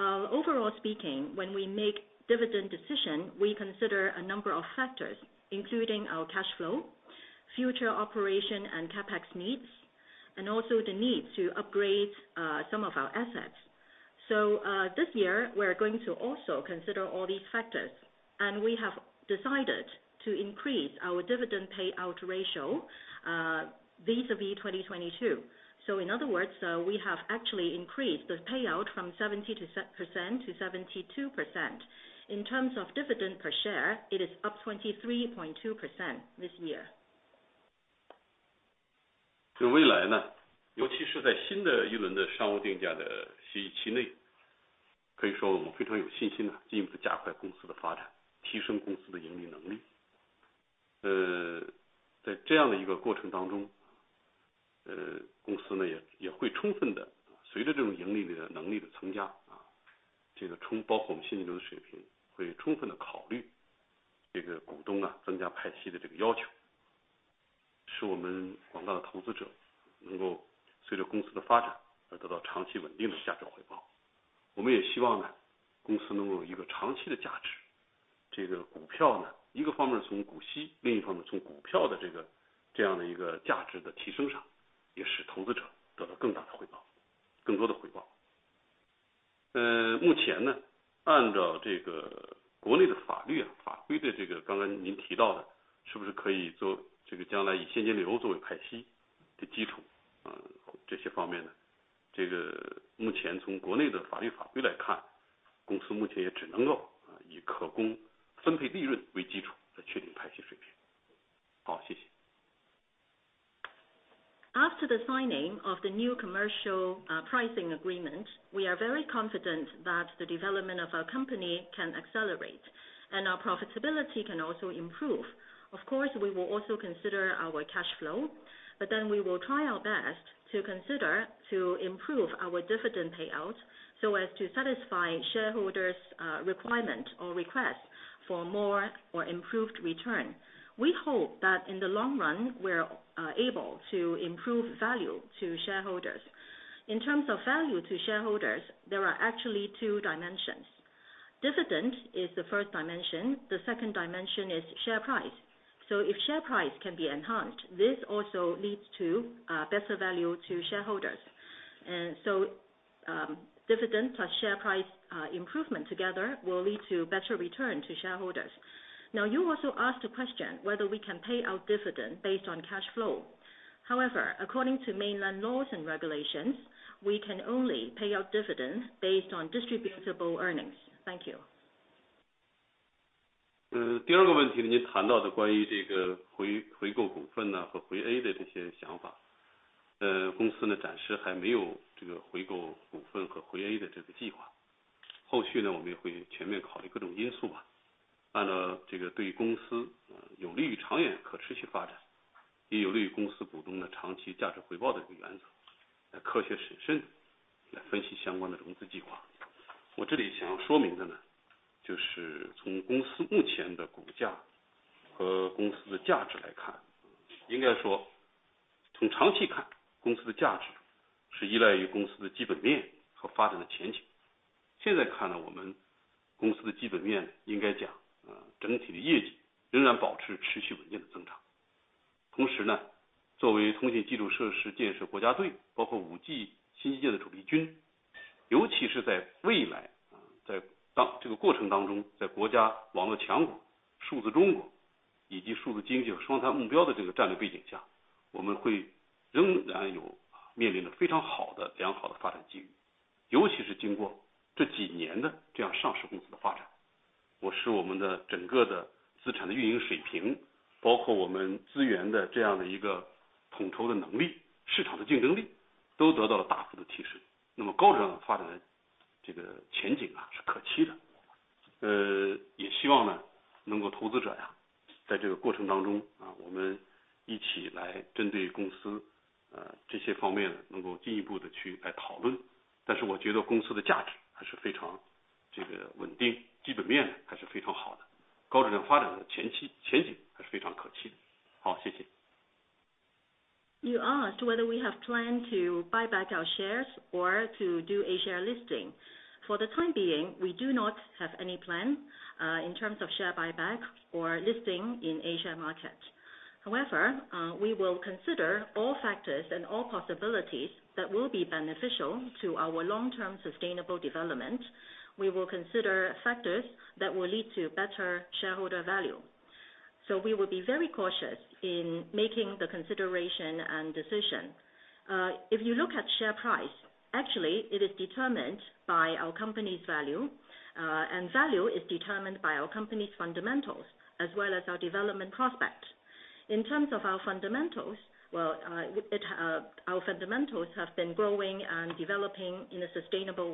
Overall speaking, when we make dividend decision, we consider a number of factors, including our cash flow, future operation and CapEx needs, and also the need to upgrade some of our assets. This year, we're going to also consider all these factors, and we have decided to increase our dividend payout ratio vis-a-vis 2022. In other words, we have actually increased the payout from 70% to 72%. In terms of dividend per share, it is up 23.2% this year. 这个未来 呢， 尤其是在新的一轮的商务定价的协议期 内， 可以说我们非常有信心进一步加快公司的发 展， 提升公司的盈利能力。呃， 在这样的一个过程当 中， 呃， 公司 呢， 也-也会充分地随着这种盈利的能力的增 加， 啊， 这个充--包括我们现金流的水 平， 会充分地考虑这个股东 啊， 增加派息的这个要 求， 使我们广大的投资者能够随着公司的发展而得到长期稳定的价值回报。我们也希望 呢， 公司能够有一个长期的价 值， 这个股票 呢， 一个方面从股 息， 另一方面从股票的这个这样的一个价值的提升上，也使投资者得到更大的回 报， 更多的回报。呃， 目前 呢， 按照这个国内的法律 啊， 法规的这个刚刚您提到 的， 是不是可以做这个将来以现金流作为派息的基 础， 呃， 这些方面 呢， 这个目前从国内的法律法规来 看， 公司目前也只能够以可供分配利润为基础来确定派息水平。好， 谢谢。After the signing of the new Commercial Pricing Agreement, we are very confident that the development of our company can accelerate, and our profitability can also improve. Of course, we will also consider our cash flow. We will try our best to consider to improve our dividend payout so as to satisfy shareholders requirement or request for more or improved return. We hope that in the long run, we're able to improve value to shareholders. In terms of value to shareholders, there are actually two dimensions. Dividend is the first dimension. The second dimension is share price. If share price can be enhanced, this also leads to better value to shareholders. Dividend plus share price improvement together will lead to better return to shareholders. You also asked a question whether we can pay out dividend based on cash flow. According to mainland laws and regulations, we can only pay out dividends based on distributable earnings. Thank you. 呃， 第二个问 题， 您谈到的关于这个回-回购股份呢和回 A 的这些想法。呃， 公司 呢， 暂时还没有这个回购股份和回 A 的这个计 划， 后续 呢， 我们也会全面考虑各种因素吧，按照这个对公 司， 呃， 有利于长远可持续发 展， 也有利于公司股东的长期价值回报的这个原 则， 来科学审慎地来分析相关的融资计划。我这里想要说明的 呢， 就是从公司目前的股价和公司的价值来 看， 应该说从长期 看， 公司的价值是依赖于公司的基本面和发展的前景。现在看 呢， 我们公司的基本 面， 应该讲， 呃， 整体的业绩仍然保持持续稳定的增长。同时 呢， 作为通信基础设施建设国家 队， 包括 5G 新基建的主力 军， 尤其是在未 来， 呃， 在到这个过程当 中， 在国家网络强国、数字中国以及数字经济双碳目标的这个战略背景 下， 我们会仍然有面临着非常好的良好的发展机 遇， 尤其是经过这几年的这样上市公司的发展我使我们的整个的资产的运营水 平， 包括我们资源的这样的一个统筹的能 力， 市场的竞争力都得到了大幅的提升。那么高质量发展这个前景 啊， 是可期的。呃， 也希望呢能够投资者 呀， 在这个过程当中 啊， 我们一起来针对公 司， 呃， 这些方面能够进一步地去来讨论。但是我觉得公司的价值还是非常这个稳定，基本面还是非常好 的， 高质量发展的前期--前景还是非常可期的。好， 谢谢。You asked whether we have plan to buy back our shares or to do A share listing. For the time being, we do not have any plan in terms of share buyback or listing in Asia market. However, we will consider all factors and all possibilities that will be beneficial to our long-term sustainable development. We will consider factors that will lead to better shareholder value, so we will be very cautious in making the consideration and decision. If you look at share price, actually it is determined by our company's value, and value is determined by our company's fundamentals as well as our development prospects. In terms of our fundamentals, well, our fundamentals have been growing and developing in a sustainable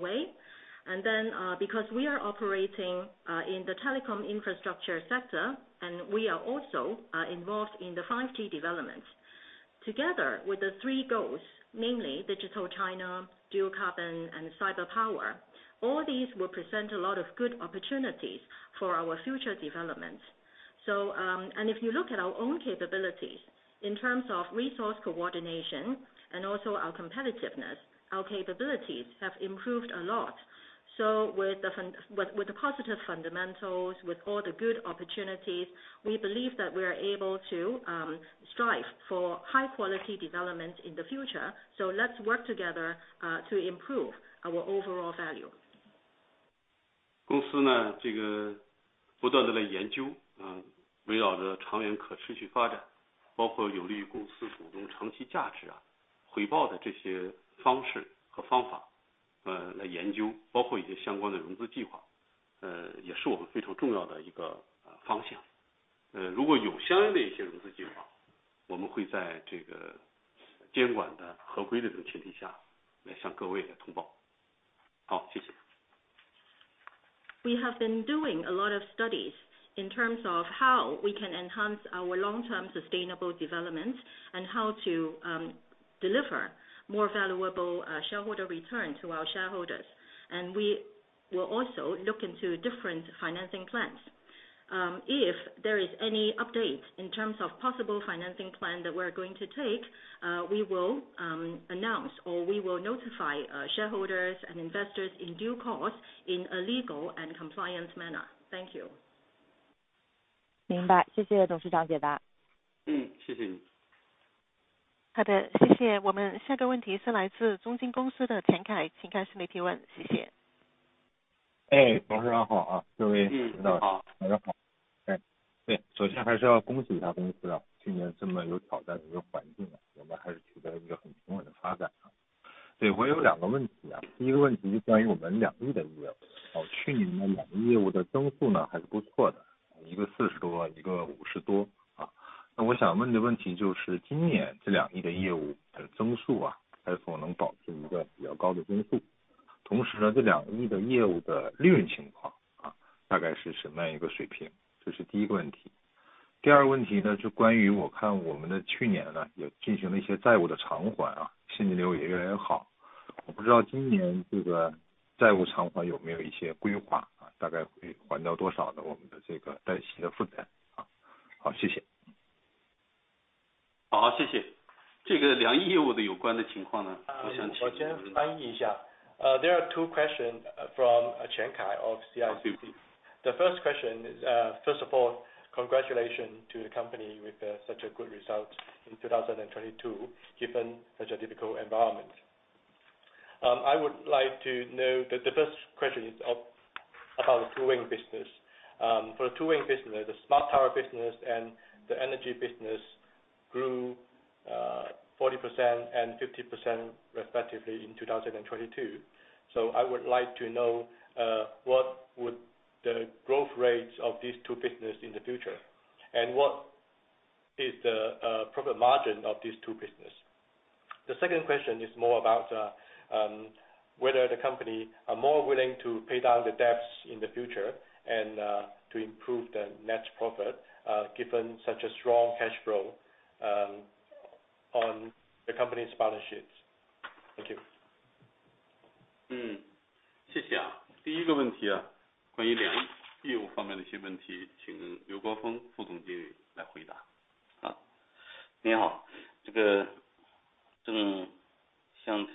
way. Because we are operating in the telecom infrastructure sector and we are also involved in the 5G development together with the three goals, namely Digital China, Dual Carbon and Cyber Power. All these will present a lot of good opportunities for our future development. If you look at our own capabilities in terms of resource coordination and also our competitiveness, our capabilities have improved a lot. With the positive fundamentals, with all the good opportunities, we believe that we are able to strive for high quality development in the future. Let's work together to improve our overall value. 公司 呢， 这个不断地来研 究， 嗯， 围绕着长远可持续发 展， 包括有利于公司股东长期价值 啊， 回报的这些方式和方 法， 呃， 来研 究， 包括一些相关的融资计 划， 呃， 也是我们非常重要的一个方向。呃， 如果有相应的一些融资计 划， 我们会在这个监管的合规的这种前提下来向各位来通报。好， 谢谢。We have been doing a lot of studies in terms of how we can enhance our long term sustainable development and how to deliver more valuable shareholder return to our shareholders. We will also look into different financing plans, if there is any update in terms of possible financing plan that we are going to take, we will announce or we will notify shareholders and investors in due course in a legal and compliance manner. Thank you. 明 白， 谢谢董事长解答。谢谢 你. 好 的， 谢谢。我们下一个问题是来自中金公司的田 凯， 请开始你的提问。谢谢。哎， 董事长好啊。各位- 好. 大家好。首先还是要恭喜一下公司 啊， 去年这么有挑战的一个环 境， 你们还是取得一个很平稳的发展啊。我有 2个 问题 啊， 1个 问题是关于我们两翼的业务。去年 呢， 两翼业务的增速 呢， 还是不错 的， 1个 40%+， 1个 50%+ 啊。我想问的问题就是今年这两翼的业务的增速 啊， 还是否能保持一个比较高的增 速？ 同时 呢， 这两翼的业务的利润情况 啊， 大概是什么样 1个 水 平？ 这是 第1个 问题。第2个 问题 呢， 关于我看我们的去年 呢， 也进行了一些债务的偿还 啊， 现金流也越来越 好， 我不知道今年这个债务偿还有没有一些规划 啊， 大概会还掉多少的我们的这个贷息的负担啊。好， 谢谢。好， 谢谢。这个两翼业务的有关的情况 呢， 我想请-我先翻译一下。There are two questions from Chen Kai of CICC. The first question is, first of all, congratulation to the company with such a good result in 2022 given such a difficult environment. I would like to know the first question is about the Two Wings business, for the Two Wings business, the Smart Tower business and the Energy business grew 40% and 50% respectively in 2022. I would like to know what would the growth rates of these two business in the future? What is the profit margin of these two business? The second question is more about the, whether the company are more willing to pay down the debts in the future and, to improve the net profit, given such a strong cash flow, on the company's balance sheets. Thank you. 嗯， 谢谢啊。第一个问题 啊， 关于两翼业务方面的一些问 题， 请刘国峰副总经理来回答。好， 您 好， 这个正 像，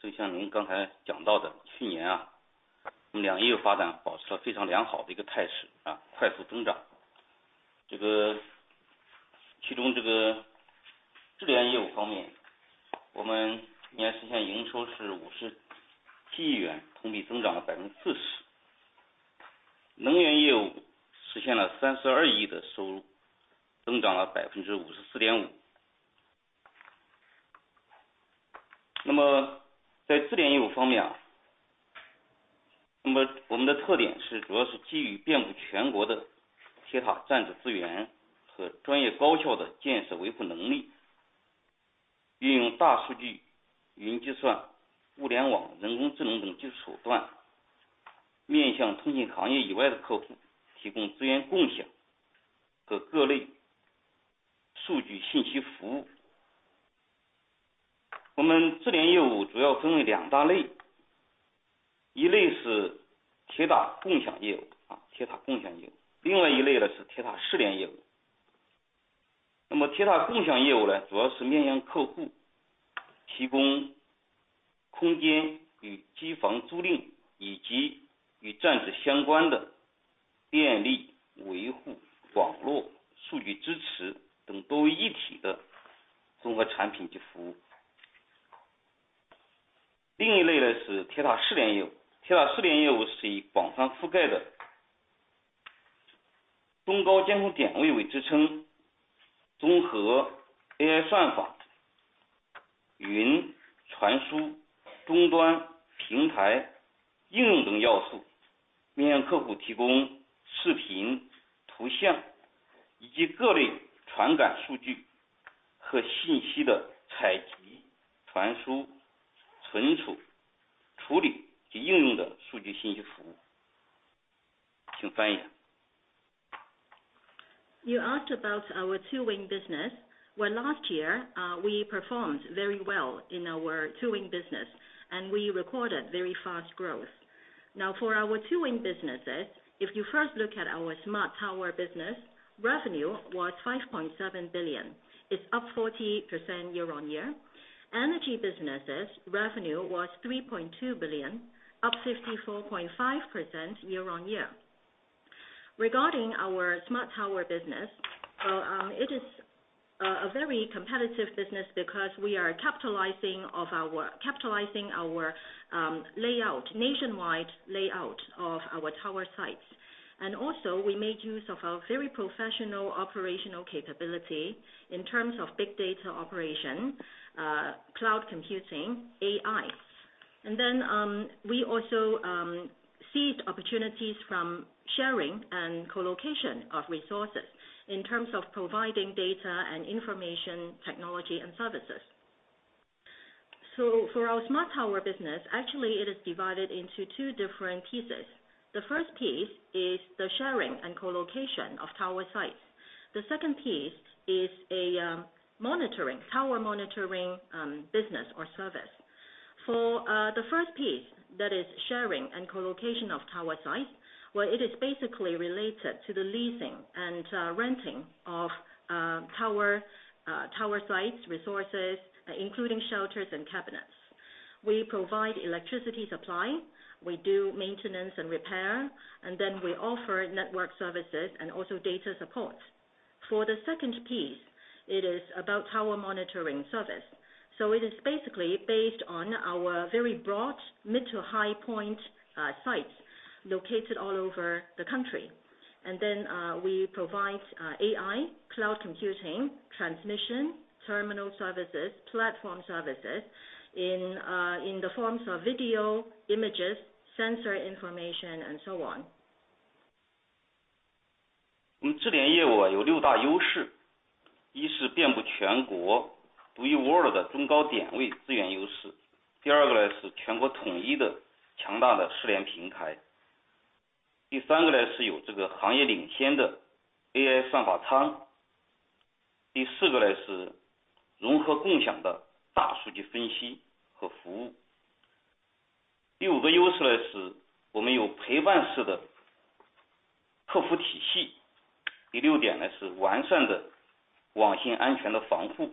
正像您刚才讲到 的， 去年 啊， 我们两翼发展保持了非常良好的一个态势 啊， 快速增长。这个其中这个智能业务方 面， 我们今年实现营收是五十亿亿 元， 同比增长了百分之四十。能源业务实现了三十二亿的收 入， 增长了百分之五十四点五。那么在智联业务方面 啊， 那么我们的特点是主要是基于遍布全国的铁塔站址资源和专业高效的建设维护能力，运用大数据、云计算、互联网、人工智能等技术手 段， 面向通信行业以外的客 户， 提供资源共享和各类数据信息服务。我们智联业务主要分为两大 类， 一类是铁塔共享业务 啊， 铁塔共享业务。另外一类 呢， 是铁塔智能业务。那么铁塔共享业务 呢， 主要是面向客 户， 提供空间与机房租赁以及与站址相关的电力、维护、网络、数据支持等多位一体的综合产品及服务。另一类 呢， 是铁塔智能业 务， 铁塔智能业务是以广泛覆盖的中高监控点位为支撑，综合 AI 算法、云传输、终端、平台、应用等要 素， 面向客户提供视频、图像以及各类传感数据和信息的采集、传输、存储、处理及应用的数据信息服务。请翻译。You asked about our Two Wings business. Well, last year, we performed very well in our Two Wings business. We recorded very fast growth. For our Two Wings businesses, if you first look at our Smart Tower business, revenue was 5.7 billion. It's up 48% year-on-year. Energy businesses revenue was 3.2 billion, up 54.5% year-on-year. Regarding our Smart Tower business, well, it is a very competitive business because we are capitalizing our layout, nationwide layout of our tower sites. Also we made use of our very professional operational capability in terms of big data operation, cloud computing, AI. We also seized opportunities from sharing and co-location of resources in terms of providing data and information technology and services. For our Smart Tower business, actually it is divided into two different pieces. The first piece is the sharing and co-location of tower sites. The second piece is monitoring, tower monitoring, business or service. For the first piece that is sharing and co-location of tower sites, it is basically related to the leasing and renting of tower sites, resources, including shelters and cabinets. We provide electricity supply, we do maintenance and repair, we offer network services and also data support. For the second piece, it is about tower monitoring service, so it is basically based on our very broad mid to high point sites located all over the country. We provide AI, cloud computing, transmission, terminal services, platform services in the forms of video, images, sensor information and so on. 我们智联业务有六大优 势， 一是遍布全国独一无二的中高点位资源优势。第二个 呢， 是全国统一的强大的智能平台。第三个 呢， 是有这个行业领先的 AI 算法仓。第四个 呢， 是融合共享的大数据分析和服务。第五个优势 呢， 是我们有陪伴式的客服体系。第六点 呢， 是完善的网信安全的防护。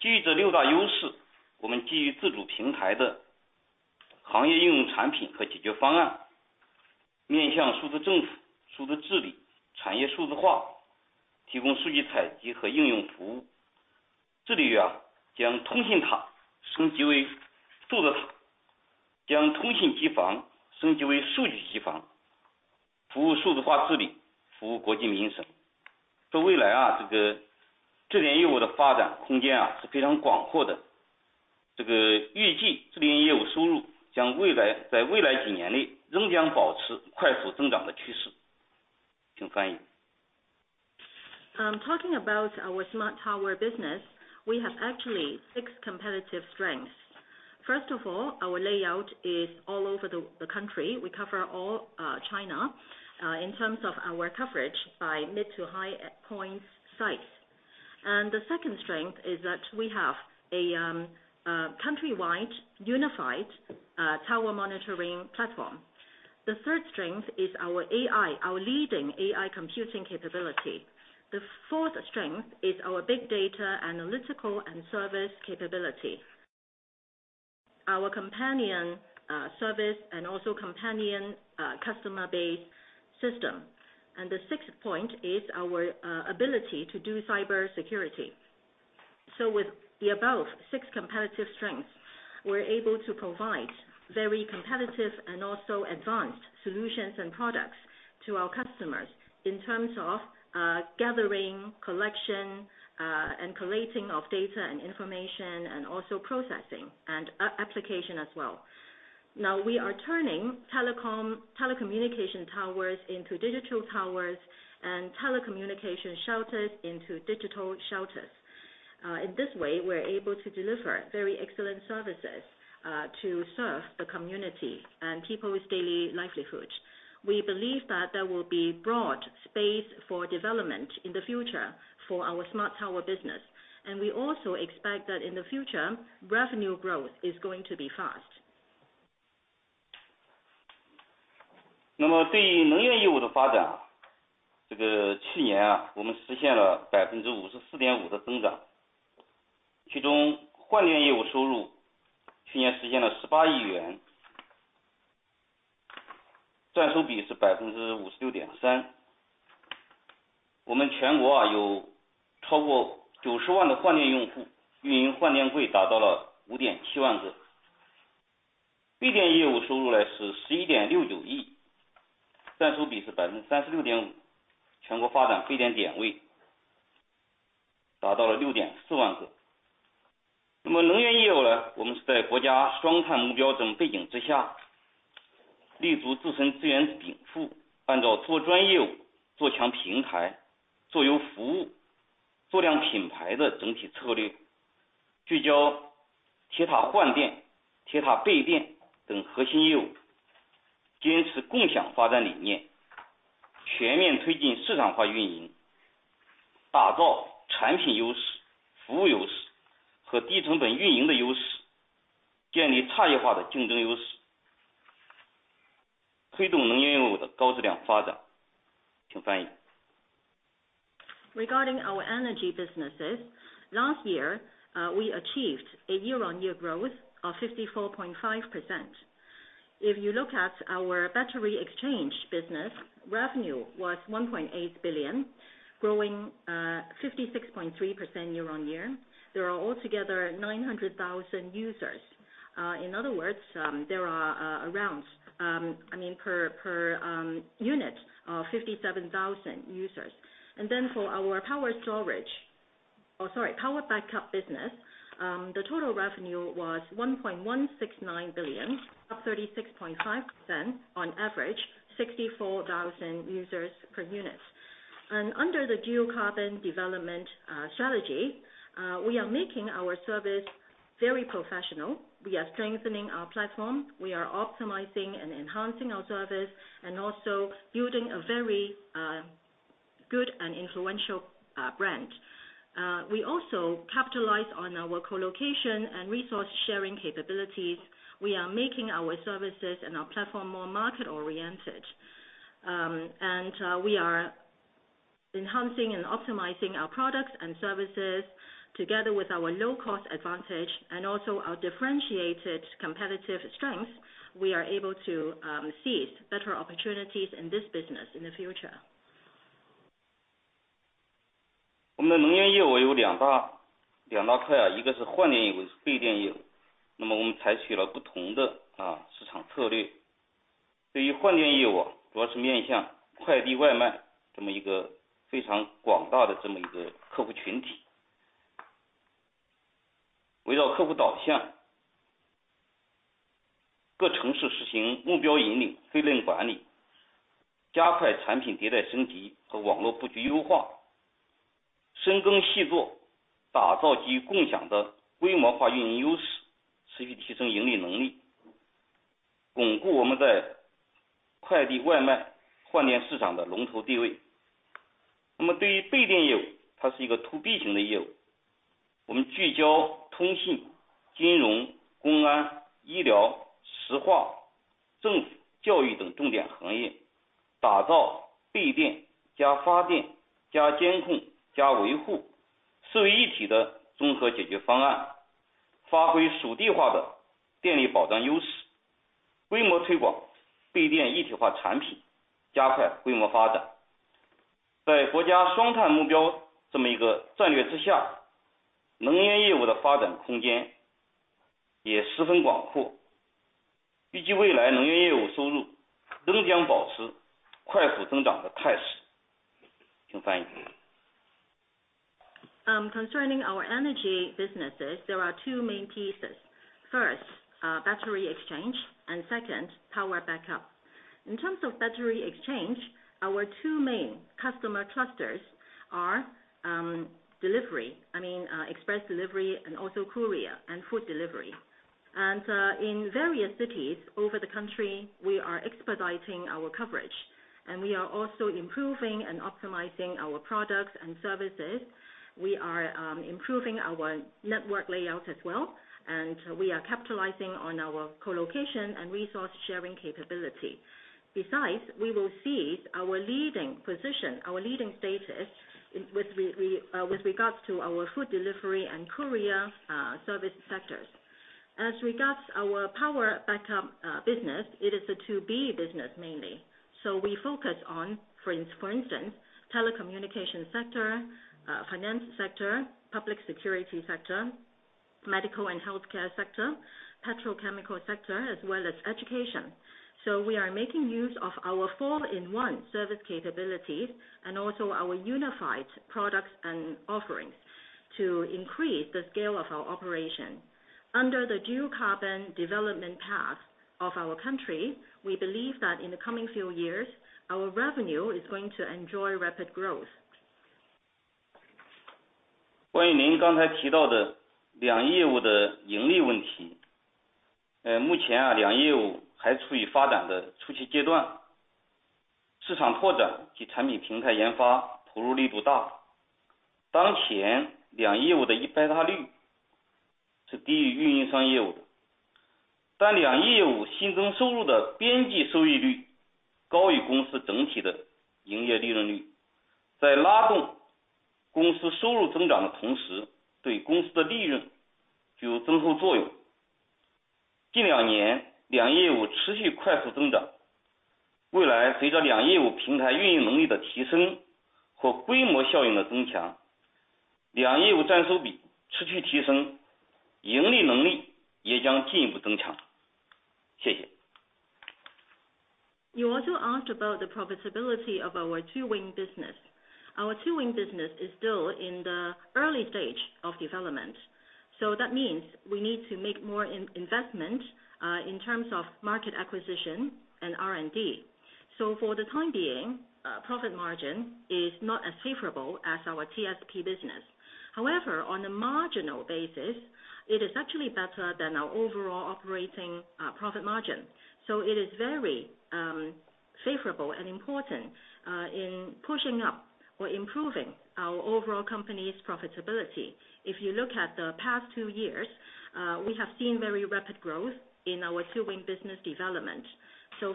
基于这六大优 势， 我们基于自主平台的行业应用产品和解决方案，面向数字政府、数字治理、产业数字 化， 提供数据采集和应用服务。这里 啊， 将通信塔升级为数据 塔， 将通信机房升级为数据机 房， 服务数字化治 理， 服务国计民生。在未来 啊， 这个智联业务的发展空间 啊， 是非常广阔的。这个预计智联业务收入将未来--在未来几年内仍将保持快速增长的趋势。请翻译。Talking about our Smart Tower business, we have actually six competitive strengths. First of all, our layout is all over the country. We cover all China in terms of our coverage by mid to high points sites. The second strength is that we have a countrywide unified tower monitoring platform. The third strength is our AI, our leading AI computing capability. The fourth strength is our big data analytical and service capability. Our companion service, and also companion customer base system. The sixth point is our ability to do cyber security. With the above six competitive strengths, we're able to provide very competitive and also advanced solutions and products to our customers in terms of gathering, collection and collating of data and information and also processing and application as well. Now we are turning telecommunication towers into digital towers and telecommunication shelters into digital shelters. In this way, we're able to deliver very excellent services to serve the community and people's daily livelihoods. We believe that there will be broad space for development in the future for our Smart Tower business. We also expect that in the future, revenue growth is going to be fast. 那么对于能源业务的发 展， 这个去年我们实现了百分之五十四点五的增 长， 其中换电业务收入去年实现了十八亿元。占收比是百分之五十六点三。我们全国 啊， 有超过九十万的换电用 户， 运营换电柜达到了五点七万个。备电业务收入呢是十一点六九 亿， 占收比是百分之三十六点五。全国发展备电点位达到了六点四万个。那么能源业务 呢， 我们是在国家双碳目标这么背景之 下， 立足自身资源禀 赋， 按照做专业务、做强平台、做优服务、做亮品牌的整体策 略， 聚焦铁塔换电、铁塔备电等核心业 务， 坚持共享发展理 念， 全面推进市场化运 营， 打造产品优势、服务优势和低成本运营的优 势， 建立差异化的竞争优势。推动能源业务的高质量发展。请翻译。Regarding our energy businesses. Last year, we achieved a year-on-year growth of 54.5%. If you look at our battery exchange business, revenue was 1.8 billion, growing 56.3% year-on-year. There are altogether 900,000 users. In other words, there are around I mean per unit 57,000 users. For our power backup business, the total revenue was 1.169 billion, up 36.5% on average 64,000 users per unit. Under the dual carbon development strategy, we are making our service very professional. We are strengthening our platform. We are optimizing and enhancing our service and also building a very good and influential brand. We also capitalize on our co-location and resource sharing capabilities. We are making our services and our platform more market-oriented. We are enhancing and optimizing our products and services together with our low-cost advantage and also our differentiated competitive strengths, we are able to seize better opportunities in this business in the future. 我们的能源业务有两 大， 两大 块， 一个是换电业 务， 一个是备电业务。那么我们采取了不同的 啊， 市场策略。对于换电业 务， 主要是面向快递外卖这么一个非常广大的这么一个客户群体。围绕客户导向。各城市实行目标引 领， 费率管 理， 加快产品迭代升级和网络布局优 化， 深耕细 作， 打造集共享的规模化运营优 势， 持续提升盈利能 力， 巩固我们在快递外卖换电市场的龙头地位。那么对于备电业 务， 它是一个 To B 型的业务。我们聚焦通信、金融、公安、医疗、石化、政府教育等重点行 业， 打造备电加发电加监控加维护四位一体的综合解决方 案， 发挥属地化的电力保障优 势， 规模推广备电一体化产 品， 加快规模发展。在国家双碳目标这么一个战略之下，能源业务的发展空间也十分广 阔， 预计未来能源业务收入仍将保持快速增长的态势。请翻译。Concerning our Energy businesses, there are two main pieces. First, battery exchange, and second, power backup. In terms of battery exchange, our two main customer clusters are, delivery, I mean, express delivery and also courier and food delivery. In various cities over the country, we are expediting our coverage, and we are also improving and optimizing our products and services. We are improving our network layout as well, and we are capitalizing on our co-location and resource sharing capability. Besides, we will seize our leading position, our leading status with regards to our food delivery and courier service sectors. As regards our power backup business, it is a To B business mainly. We focus on, for instance, telecommunication sector, finance sector, public security sector, medical and healthcare sector, petrochemical sector as well as education. We are making use of our four in one service capabilities and also our unified products and offerings to increase the scale of our operation. Under the dual carbon development path of our country, we believe that in the coming few years, our revenue is going to enjoy rapid growth. 关于您刚才提到的两业务的盈利问 题， 呃， 目前啊两业务还处于发展的初期阶 段， 市场拓展及产品平台研发投入力度大。当前两业务的 EBITDA 率是低于运营商业务 的， 但两业务新增收入的边际收益率高于公司整体的营业利润 率， 在拉动公司收入增长的同 时， 对公司的利润具有增厚作用。近两年两业务持续快速增 长， 未来随着两业务平台运营能力的提升和规模效应的增 强， 两业务占收比持续提 升， 盈利能力也将进一步增强。谢谢。You also asked about the profitability of our Two Wings business. Our Two Wings business is still in the early stage of development, that means we need to make more in-investment in terms of market acquisition and R&D. For the time being, profit margin is not as favorable as our TSP business. However, on a marginal basis, it is actually better than our overall operating profit margin. It 是 very favorable and important in pushing up or improving our overall company's profitability. If you look at the past two years, we have seen very rapid growth in our Two Wings business development.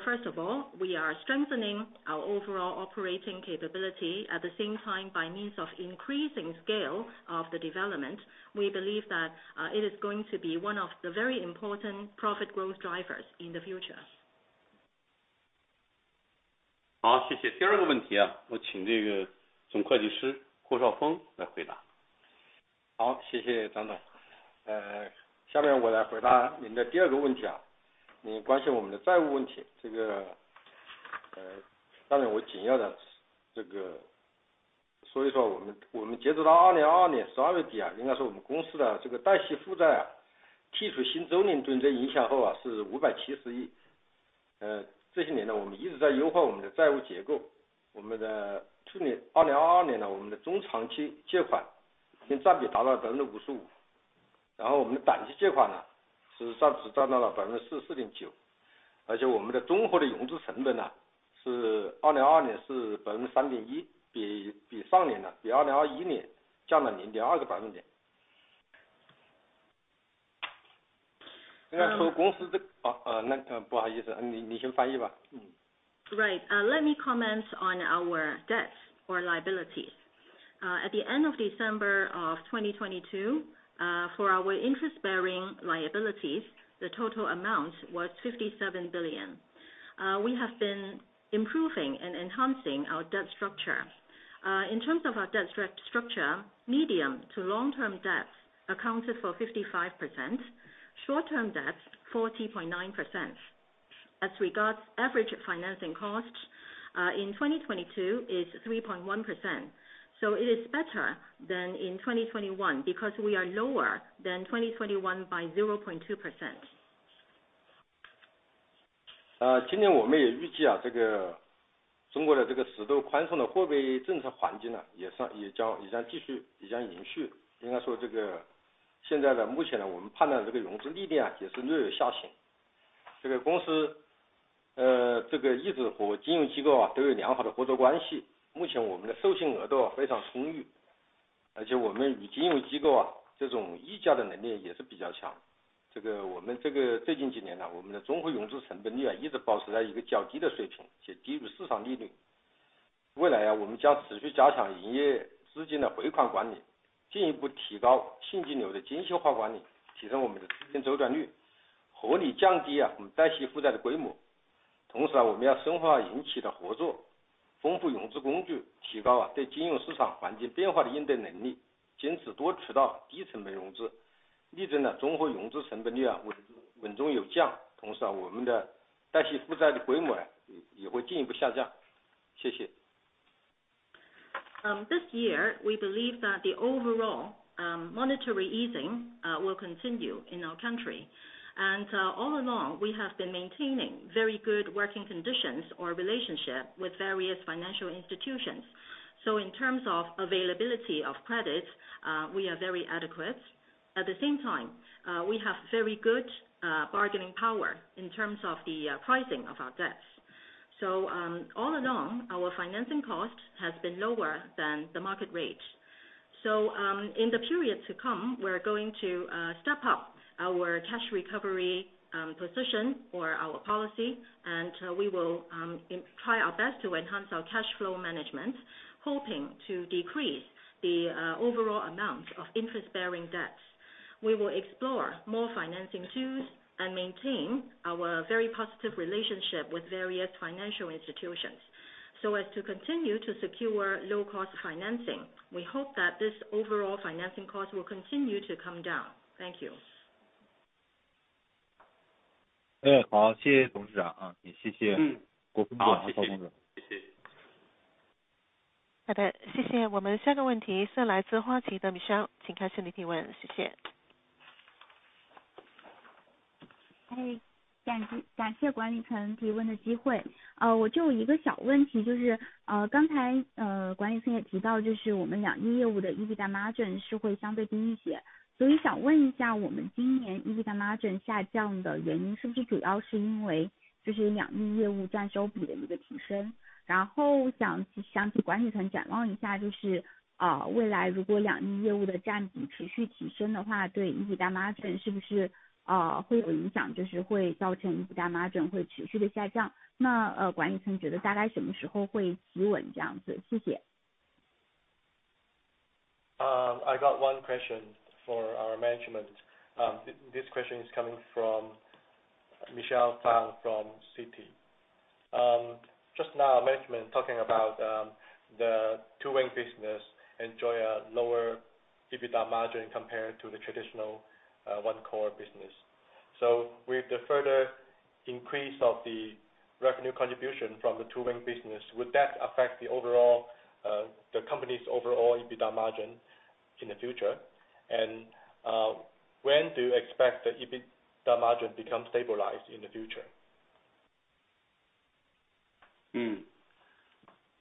First of all, we are strengthening our overall operating capability. At the same time by means of increasing scale of the development, we believe that it is going to be one of the very important profit growth drivers in the future. 好， 谢谢。第二个问题 啊， 我请这个总会计师霍绍峰来回答。好， 谢谢张总。呃，下面我来回答您的第二个问题 啊， 您关心我们的债务问 题， 这 个， 呃， 当然我简要地这个说一 说， 我 们， 我们截止到2022年12月底 啊， 应该说我们公司的这个带息负债 啊， 剔除新租赁对这影响后 啊， 是五百七十亿。呃， 这些年 呢， 我们一直在优化我们的债务结 构， 我们的去年 ，2022 年 呢， 我们的中长期借款已经占比达到了百分之五十 五， 然后我们的短期借款 呢， 实际上只占到了百分之四十四点 九， 而且我们的综合的融资成本 呢， 是2022年是百分之三点 一， 比， 比上年 呢， 比2021年降了零点二个百分点。嗯。说公司 这个, 那 不好意思, 你先翻译 吧. Right. Let me comment on our debts or liabilities. At the end of December of 2022, for our interest-bearing liabilities, the total amount was 57 billion. We have been improving and enhancing our debt structure. In terms of our debt structure, medium to long-term debts accounted for 55%, short-term debts 40.9%. As regards average financing costs, in 2022 is 3.1%. It is better than in 2021, because we are lower than 2021 by 0.2%. 今年我们也预 计， 这个中国的这个适度宽松的货币政策环境 呢， 也 是， 也将继 续， 也将延续。应该说这个现在的目前呢我们判断这个融资利率也是略有下行。这个公 司， 这个一直和金融机构都有良好的合作关系。目前我们的授信额度非常充 裕， 而且我们与金融机构这种议价的能力也是比较强。这个我们这个最近几年 呢， 我们的综合融资成本率一直保持在一个较低的水 平， 且低于市场利率。未来我们将持续加强营业资金的回款管 理， 进一步提高现金流的精细化管 理， 提升我们的资金周转 率， 合理降低我们带息负债的规模。同时我们要深化银企的合作，丰富融资工 具， 提高对金融市场环境变化的应对能 力， 坚持多渠道低成本融 资， 力争呢综合融资成本率稳中有降。同时我们的带息负债的规模也会进一步下降。谢谢。This year we believe that the overall monetary easing will continue in our country. All along, we have been maintaining very good working conditions or relationship with various financial institutions. In terms of availability of credits, we are very adequate. At the same time, we have very good bargaining power in terms of the pricing of our debts. All along our financing cost has been lower than the market rate. In the period to come, we are going to step up our cash recovery position or our policy. We will try our best to enhance our cash flow management, hoping to decrease the overall amount of interest-bearing debts. We will explore more financing tools and maintain our very positive relationship with various financial institutions so as to continue to secure low-cost financing. We hope that this overall financing cost will continue to come down. Thank you. 好, 谢谢 董事长. 嗯。国峰哥 啊， 国峰哥。好， 谢谢。好 的， 谢谢。我们下一个问题是来自花旗的米 商， 请开始您提问。谢谢。哎， 感 谢， 感谢管理层提问的机 会， 呃， 我就一个小问 题， 就 是， 呃， 刚 才， 呃， 管理层也提 到， 就是我们两翼业务的 EBITDA margin 是会相对低一些，所以想问一下我们今年 EBITDA margin 下降的原因是不是主要是因为这是两翼业务占收比的一个提 升？ 然后 想， 想请管理层展望一 下， 就 是， 啊， 未来如果两翼业务的占比持续提升的 话， 对 EBITDA margin 是不 是， 啊， 会有影 响， 就是会造成 EBITDA margin 会持续的下 降， 那， 呃， 管理层觉得大概什么时候会企稳这样 子？ 谢谢。I got one question for our management, this question is coming from Michelle Fang from Citi. Just now management talking about the Two Wings business enjoy a lower EBITDA margin compared to the traditional One Core business. With the further increase of the revenue contribution from the Two Wings business, would that affect the overall the company's overall EBITDA margin in the future? When do you expect the EBITDA margin become stabilized in the future? 嗯，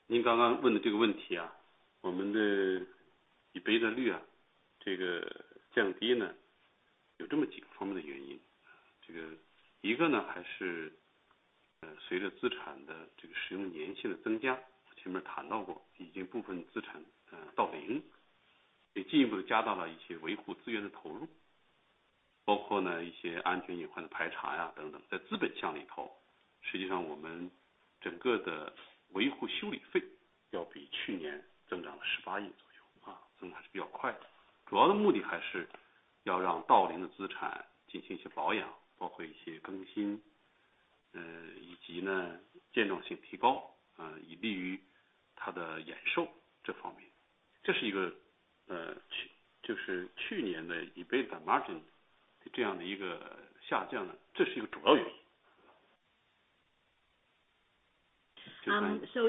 您刚刚问的这个问题 啊， 我们的 EBITDA 率 啊， 这个降低 呢， 有这么几方面的原 因， 这个一个呢还是随着资产的这个使用年限的增 加， 前面谈到过已经部分资 产， 呃， 到零，也进一步加大了一些维护资源的投 入， 包括呢一些安全隐患的排查呀等等。在资本项里 头， 实际上我们整个的维护修理费要比去年增长了十八亿左 右， 啊， 增长是比较快的。主要的目的还是要让到龄的资产进行一些保 养， 包括一些更 新， 呃， 以及呢健壮性提 高， 呃， 以利于它的延寿这方面。这是一 个， 呃， 去， 就是去年的 EBITDA margin 的这样的一个下降 呢， 这是一个主要原因。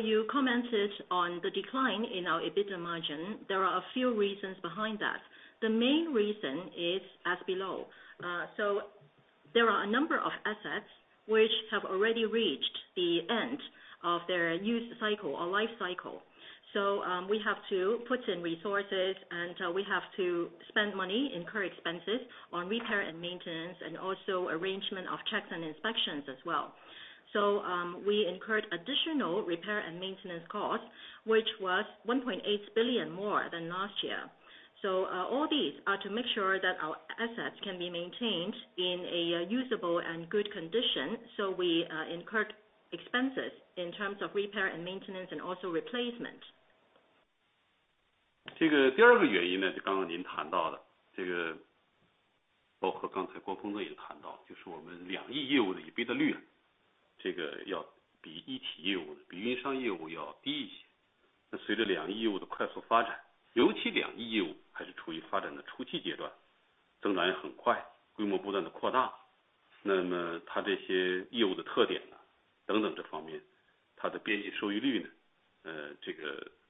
You commented on the decline in our EBITDA margin. There are a few reasons behind that. The main reason is as below. There are a number of assets which have already reached the end of their use cycle or life cycle. We have to put in resources and we have to spend money, incur expenses on repair and maintenance and also arrangement of checks and inspections as well. We incurred additional repair and maintenance costs, which was 1.8 billion more than last year. All these are to make sure that our assets can be maintained in a usable and good condition. We incur expenses in terms of repair and maintenance and also replacement. 这个第二个原因 呢， 就刚刚您谈到 的， 这个包括刚才国峰哥也谈 到， 就是我们两翼业务的 EBITDA 率， 这个要比一体业 务， 比运营商业务要低一些。那随着两翼业务的快速发 展， 尤其两翼业务还是处于发展的初期阶 段， 增长也很 快， 规模不断地扩 大， 那么它这些业务的特点呢等等这方 面， 它的边际收益率 呢， 呃，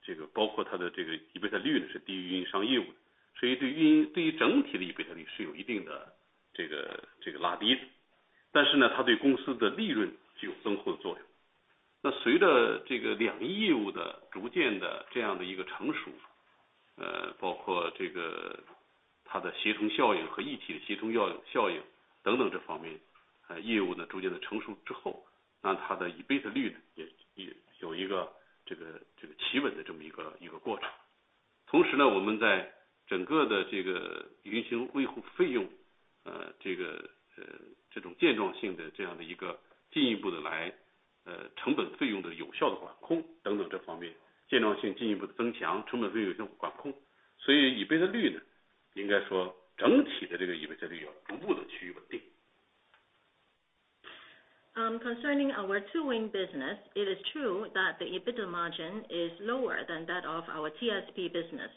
这 个， 这个包括它的这个 EBITDA 率呢是低于运营商业务 的， 所以对运 营， 对于整体的 EBITDA 率是有一定的这 个， 这个拉低的。但是 呢， 它对公司的利润具有增厚的作用。那随着这个两翼业务的逐渐的这样的一个成 熟， 呃， 包括这个它的协同效应和一体的协同效 应， 效应等等这方 面， 呃， 业务呢逐渐的成熟之 后， 那它的 EBITDA 率呢 也， 也有一个这 个， 这个企稳的这么一 个， 一个过程。同时 呢， 我们在整个的这个运行维护费 用， 呃， 这 个， 呃， 这种健壮性的这样的一个进一步的 来， 呃， 成本费用的有效地管控等等这方 面， 健壮性进一步的增 强， 成本费用管控。所以 EBITDA 率 呢， 应该说整体的这个 EBITDA 率有逐步地趋于稳定。Concerning our two wing business, it is true that the EBITDA margin is lower than that of our TSP business.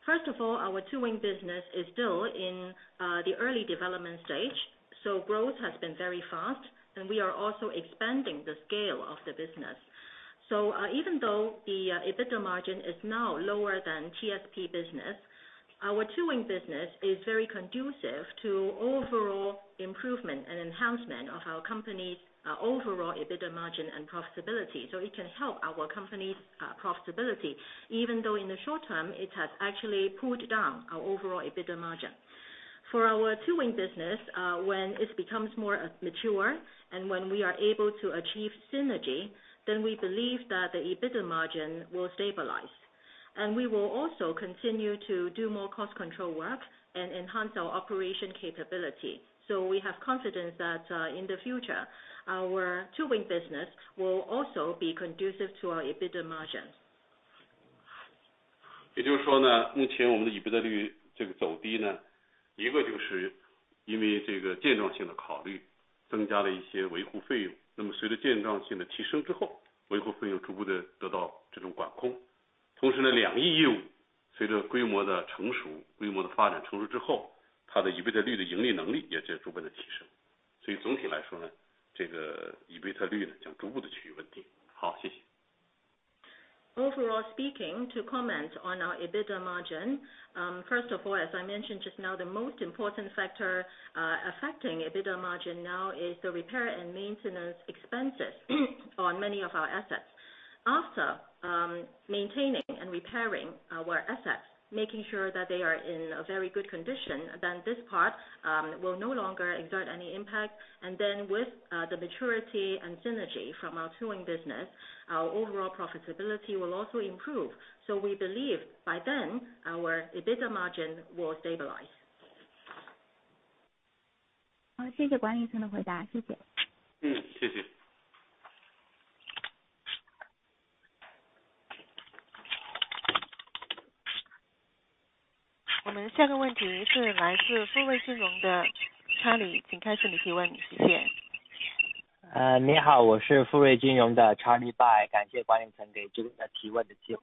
First of all, our two wing business is still in the early development stage, so growth has been very fast and we are also expanding the scale of the business. Even though the EBITDA margin is now lower than TSP business, our two wing business is very conducive to overall improvement and enhancement of our company's overall EBITDA margin and profitability. It can help our company's profitability, even though in the short term it has actually pulled down our overall EBITDA margin. For our two wing business, when it becomes more mature and when we are able to achieve synergy, then we believe that the EBITDA margin will stabilize, and we will also continue to do more cost control work and enhance our operation capability. We have confidence that, in the future, our two wing business will also be conducive to our EBITDA margin. 也就是说 呢， 目前我们的 EBITDA 率这个走低 呢， 一个就是因为这个建账性的考 虑， 增加了一些维护费 用， 那么随着建账性的提升之 后， 维护费用逐步地得到这种管控。同时 呢， 两翼业务随着规模的成 熟， 规模的发展成熟之 后， 它的 EBITDA 率的盈利能力也在逐步地提升。所以总体来说呢，这个 EBITDA 率呢将逐步地趋于稳定。好， 谢谢。Overall speaking to comment on our EBITDA margin. First of all, as I mentioned just now the most important factor affecting EBITDA margin now is the repair and maintenance expenses on many of our assets. After maintaining and repairing our assets, making sure that they are in a very good condition, then this part will no longer exert any impact. With the maturity and synergy from our Two Wings business, our overall profitability will also improve. We believe by then our EBITDA margin will stabilize. 好， 谢谢管一成的回 答， 谢谢。谢 谢. 我们下一个问题是来自富瑞金融的 Charlie， 请开始你的提 问， 谢谢。呃， 你 好， 我是富瑞金融的 Charlie Bai， 感谢管理层给这个提问的机会。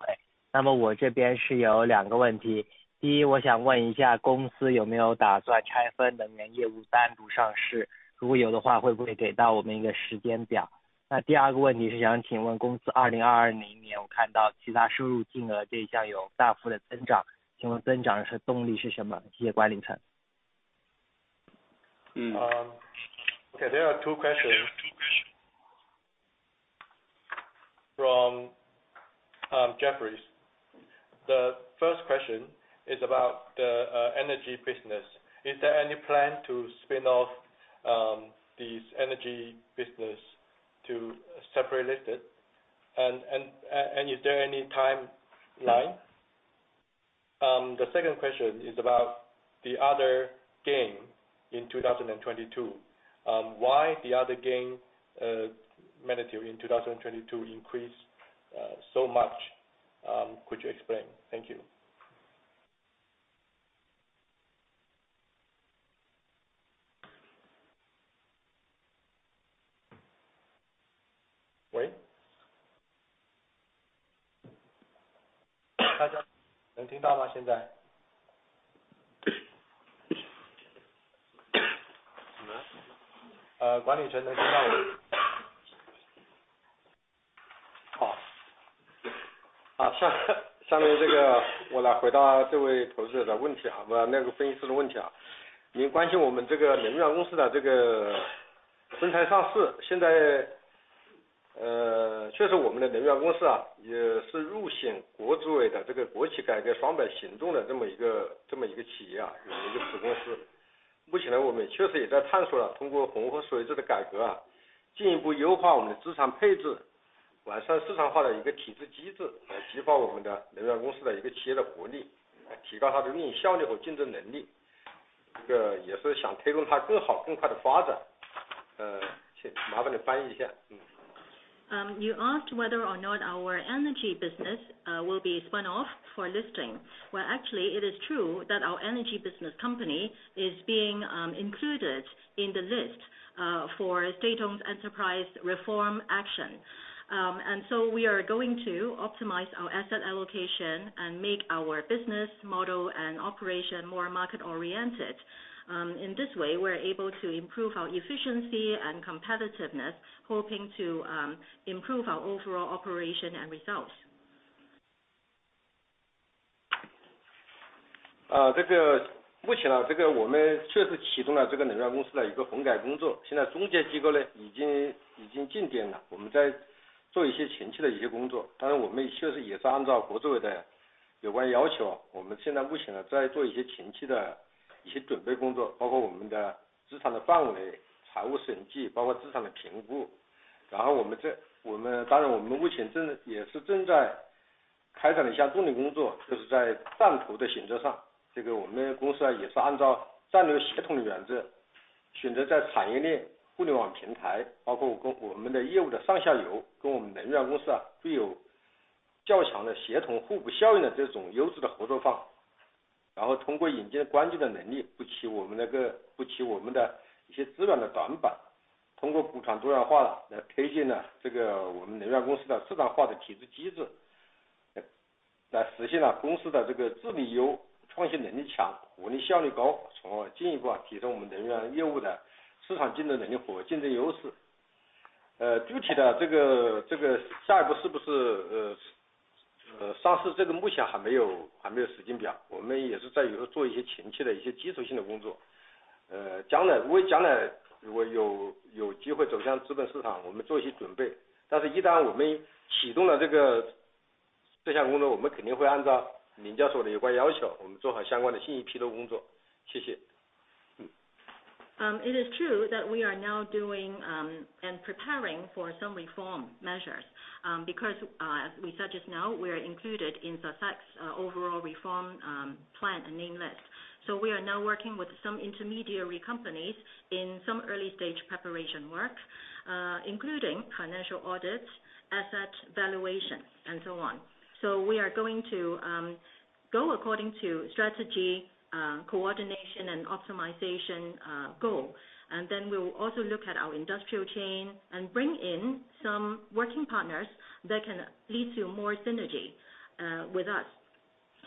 那么我这边是有两个问 题， 第一我想问一下公司有没有打算拆分能源业务单独上 市？ 如果有的 话， 会不会给到我们一个时间 表？ 那第二个问题是想请问公司2020年我看到其他收入金额这一项有大幅的增长，请问增长是动力是什 么？ 谢谢管灵成。Okay, there are two questions from Jefferies. The first question is about the Energy business. Is there any plan to spin off this Energy business to separate listed? Is there any timeline? The second question is about the other gain in 2022. Why the other gain managed in 2022 increase so much? Could you explain? Thank you. 喂。大家能听到吗现在？ 什么？ 呃， 管理层能听到我 吗？ 好。啊， 下-下面这个我来回答这位投资者的问题 啊， 那个分析师的问题啊。您关心我们这个能源公司的这个分拆上 市， 现在 呃， 确实我们的能源公司 啊， 也是入选国资委的这个国企改革双百行动的这么一 个， 这么一个企业 啊， 有一个子公司。目前 呢， 我们确实也在探索 啊， 通过混合所有制的改革 啊， 进一步优化我们的资产配 置， 完善市场化的一个体制机 制， 来激发我们的能源公司的一个企业的活 力， 来提高它的运营效率和竞争能 力， 这个也是想推动它更好更快地发展。呃， 请， 麻烦你翻译一下。You asked whether or not our energy business will be spun off for listing. It is true that our energy business company is being included in the list for state-owned enterprise reform action. We are going to optimize our asset allocation and make our business model and operation more market oriented. In this way, we are able to improve our efficiency and competitiveness hoping to improve our overall operation and results. 这个 目前，这个 我们确实启动了这个能源公司的一个混改工作。现在中介机构已经进点 了，我们 在做一些前期的一些工作。我们确实也是按照国资委的有关 要求，我们 现在目前在做一些前期的一些准备 工作，包括 我们的资产的范围、财务 审计，包括 资产的评估。我们目前正在开展了下重点 工作，就是 在战投的选择上。这个我们公司也是按照战略协同的 原则，选择 在产业链、互联网 平台，包括 跟我们的业务的 上下游，跟 我们能源公司具有较强的协同互补效应的这种优质的合作伙伴。通过引进关键的 能力，补齐 我们，补齐 我们的一些资源的 短板，通过 补偿多元化来推进这个我们能源公司的市场化的体制 机制，来 实现了公司的这个治理优、创新能力强、效率 高，从而 进一步提升我们能源业务的市场竞争能力和竞争优势。具体的这个下一步上市这个目前还 没有，还 没有时间表。我们也是在做一些前期的一些基础性的 工作，将来 为将来如果有机会走向资本 市场，我们 做一些准备。一旦我们启动了这个这项 工作，我们 肯定会按照领教说的有关 要求，我们 做好相关的信息披露工作。谢谢。It is true that we are now doing and preparing for some reform measures, because as we said just now, we are included in the facts overall reform plan and name list. We are now working with some intermediary companies in some early stage preparation work, including financial audits, asset valuation and so on. We are going to go according to strategy coordination and optimization goal. We will also look at our industrial chain and bring in some working partners that can lead to more synergy with us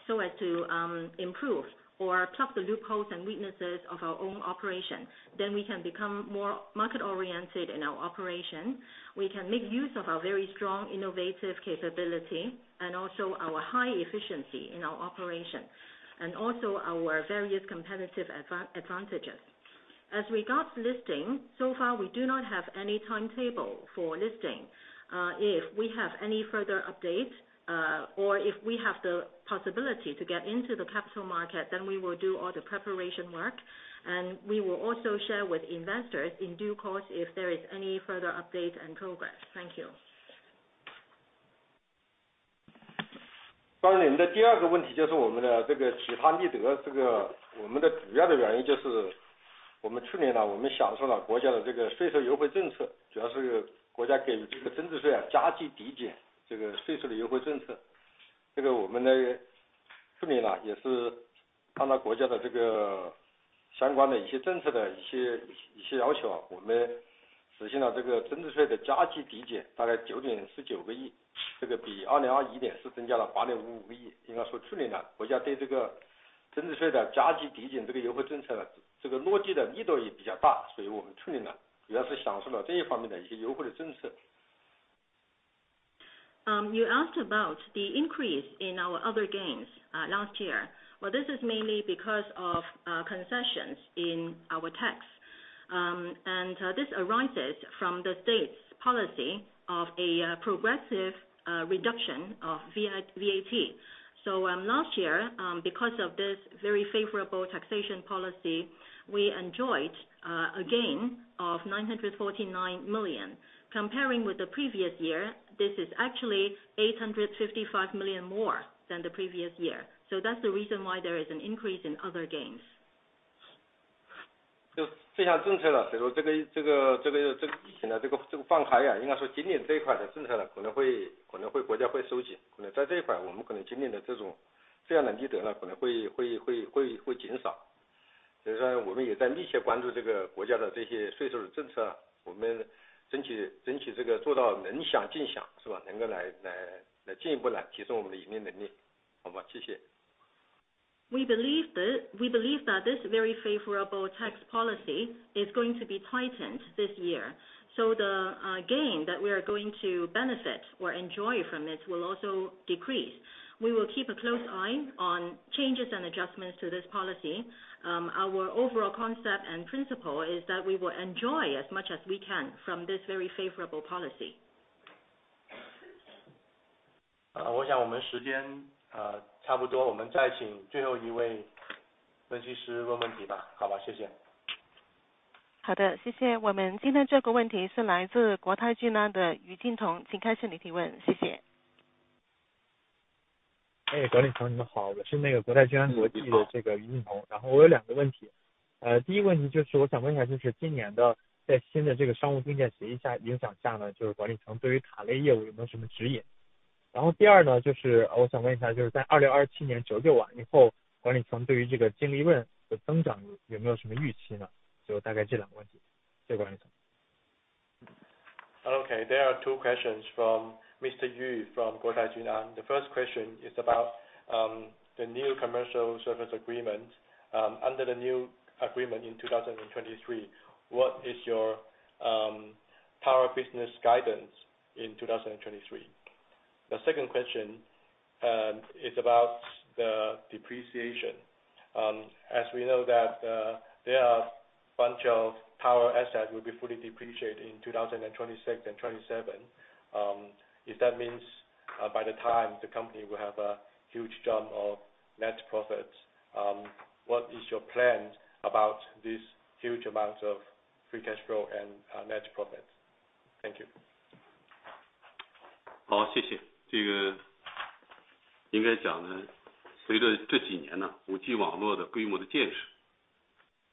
so as to improve or plug the loopholes and weaknesses of our own operation. We can become more market oriented in our operation, we can make use of our very strong innovative capability and also our high efficiency in our operation and also our various competitive advantages. As regards listing, so far we do not have any timetable for listing. If we have any further update or if we have the possibility to get into the capital market, we will do all the preparation work and we will also share with investors in due course if there is any further updates and progress. Thank you. 关于你们的第 two 个问 题， 就是我们的这个其他利 得， 这个我们的主要的原因就是我们去年 呢， 我们享受了国家的这个税收优惠政 策， 主要是国家给予这个增值税加计抵减这个税收的优惠政 策， 这个我们 呢， 去年呢也是按照国家的这个相关的一些政策的一些要 求， 我们实现了这个增值税加计抵减大概 RMB 9.19 亿，这个比2021年是增加了 RMB 8.55 亿。应该说去年呢国家对这个增值税加计抵减这个优惠政策 呢， 这个落地的力度也比较 大， 所以我们去年呢主要是享受了这一方面的一些优惠的政策。You asked about the increase in our other gains last year. This is mainly because of concessions in our tax. This arises from the state's policy of a progressive reduction of VAT. Last year, because of this very favorable taxation policy, we enjoyed a gain of 949 million. Comparing with the previous year, this is actually 855 million more than the previous year. That's the reason why there is an increase in other gains. 就这项政策 呢, 随着疫情的放开 啊, 应该说今年这一块的政策 呢, 可能会国家会收 紧. 可能在这一 块, 我们可能今年的这种这样的利得 呢, 可能会减 少. 我们也在密切关注这个国家的这些税收的政 策, 我们整体这个做到能享尽享是 吧, 能够来进一步来提升我们的盈利能 力. 好 吗? 谢 谢. We believe that this very favorable tax policy is going to be tightened this year. The gain that we are going to benefit or enjoy from it will also decrease. We will keep a close eye on changes and adjustments to this policy. Our overall concept and principle is that we will enjoy as much as we can from this very favorable policy. 我想我们时间差不 多， 我们再请最后一位分析师问问题吧。好 吧， 谢谢。好 的， 谢谢。我们今天这个问题是来自国泰君安的于金 童， 请开始你的提问。谢谢。哎， 管理层你们 好， 我是那个国泰君安国际的这个于金 童， 然后我有两个问 题， 呃， 第一问题就是我想问一 下， 就是今年的在新的这个商务边界协议下影响下 呢， 就是管理层对于塔类业务有没有什么指引？然后第二呢就是我想问一 下， 就是在2027年折旧完以 后， 管理层对于这个净利润的增长有没有什么预期 呢？ 就大概这两个问 题， 谢谢管理层。There are two questions from Mr. Yu from Guotai Junan Securities. The first question is about the new Commercial Pricing Agreement. Under the new agreement in 2023, what is your tower business guidance in 2023? The second question is about the depreciation. As we know that there are a bunch of tower assets will be fully depreciated in 2026 and 2027. If that means by the time the company will have a huge jump of net profits, what is your plan about this huge amount of free cash flow and net profit? Thank you. 好，谢谢. 这个应该 讲， 随着这几年 5G 网络的规模的建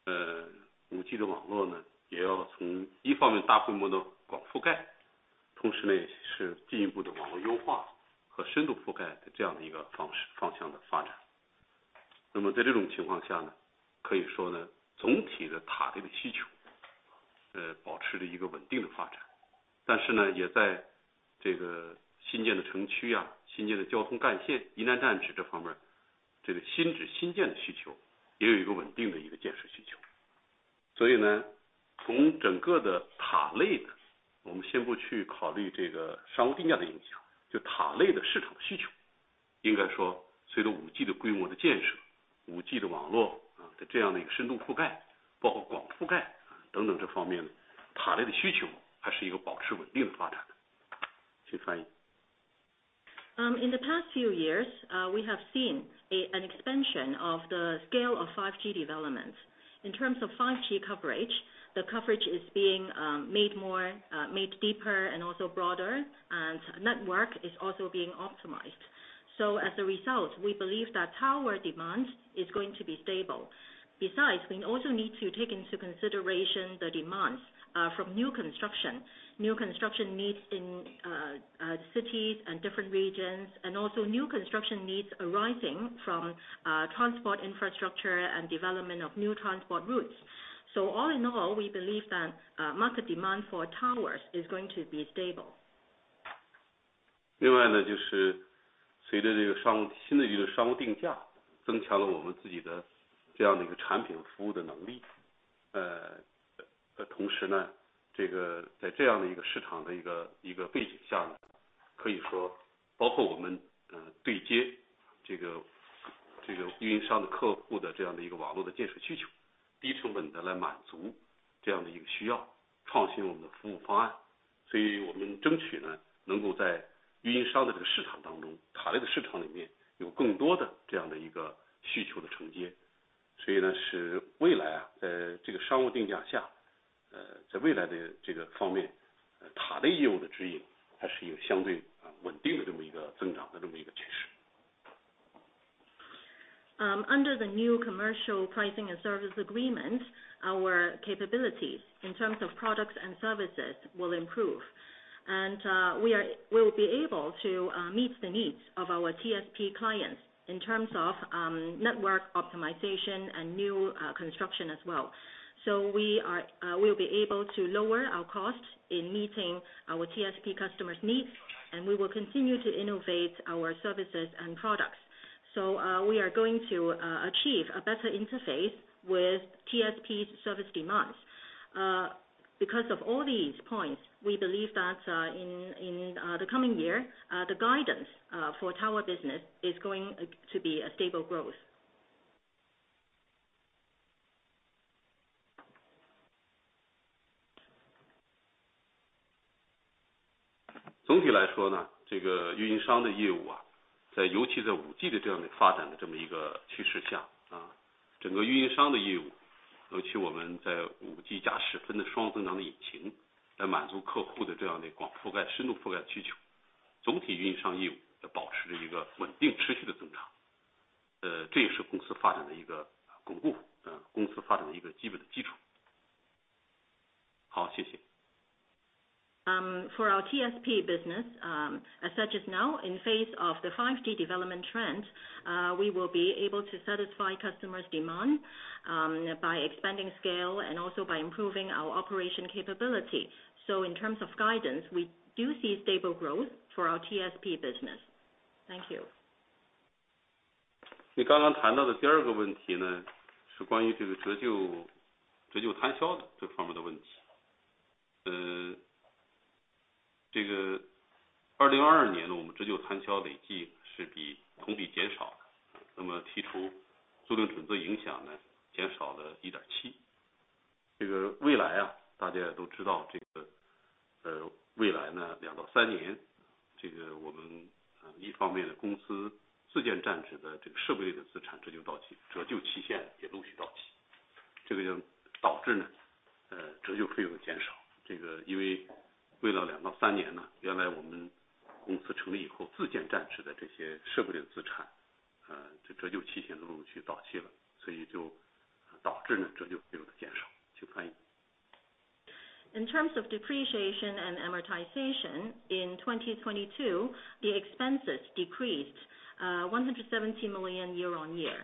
设， 5G 的网络也要从一方面大规模的广覆 盖， 同时也是进一步的网络优化和深度覆盖的这样的一个方式方向的发 展. 在这种情况 下， 可以 说， 总体的塔类的需求保持着一个稳定的发 展， 也在这个新建的城 区， 新建的交通干线、疑难站址这方 面， 这个新址新建的需求也有一个稳定的一个建设需 求. 从整个的塔 类， 我们先不去考虑这个商务定价的影 响， 就塔类的市场需 求， 应该说随着 5G 的规模的建 设， 5G 的网络的这样的一个深度覆 盖， 包括广覆盖等等这方 面， 塔类的需求还是一个保持稳定的发展 的. 请翻 译. In the past few years, we have seen an expansion of the scale of 5G development. In terms of 5G coverage, the coverage is being made more, made deeper and also broader, and network is also being optimized. As a result, we believe that tower demand is going to be stable. Besides, we also need to take into consideration the demands from new construction, new construction needs in cities and different regions, and also new construction needs arising from transport infrastructure and development of new transport routes. All in all, we believe that market demand for towers is going to be stable. 就是随着这个商新的这个 商务定价， 增强了我们自己的这样的一个产品服务的能力。同时 呢， 这个在这样的一个市场的一个背景下 呢， 可以说包括我们对接这 个， 这个运营商的客户的这样的一个网络的建设需 求， 低成本地来满足这样的一个需 要， 创新我们的服务方案。我们争取 呢， 能够在运营商的这个市场当 中， 塔内的市场里面有更多的这样的一个需求的承接。是未来 啊， 在这个商务定价下，在未来的这个方 面， 塔内业务的指 引， 还是一个相对稳定的这么一个增长的这么一个趋势。Under the new Commercial Pricing and Service Agreement, our capabilities in terms of products and services will improve. We will be able to meet the needs of our TSP clients in terms of network optimization and new construction as well. We will be able to lower our cost in meeting our TSP customers needs, and we will continue to innovate our services and products. We are going to achieve a better interface with TSPs service demands. Because of all these points, we believe that in the coming year, the guidance for tower business is going to be a stable growth. 总体来说 呢， 这个运营商的业 务， 在尤其在 5G 的这样的发展的这么一个趋势 下， 整个运营商的业 务， 尤其我们在 5G 加室分的双增长的引 擎， 来满足客户的这样的广覆盖深度覆盖需 求， 总体运营商业务保持着一个稳定持续的增 长， 这也是公司发展的一个巩 固， 公司发展的一个基本的基础。好， 谢谢。For our TSP business, such as now in face of the 5G development trend, we will be able to satisfy customers demand by expanding scale and also by improving our operation capability. In terms of guidance, we do see stable growth for our TSP business. Thank you. 你刚刚谈到的第二个问题 呢， 是关于这个折 旧， 折旧摊销的这方面的问题。呃， 这个二零二二年我们折旧摊销累计是比同比减少。那么剔除租赁准则影响 呢， 减少了一点七。这个未来 啊， 大家也都知 道， 这 个， 呃， 未来呢两到三 年， 这个我们一方面公司自建站点的这个设备的资产折旧到期--折旧期限也陆续到 期， 这个就导致 呢， 呃， 折旧费用的减少。这个因为未来两到三年 呢， 原来我们公司成立以 后， 自建站点的这些设备的资 产， 呃， 折旧期限陆续到期 了， 所以就导致呢折旧费用的减少。请翻译。In terms of depreciation and amortization in 2022, the expenses decreased 170 million year-on-year.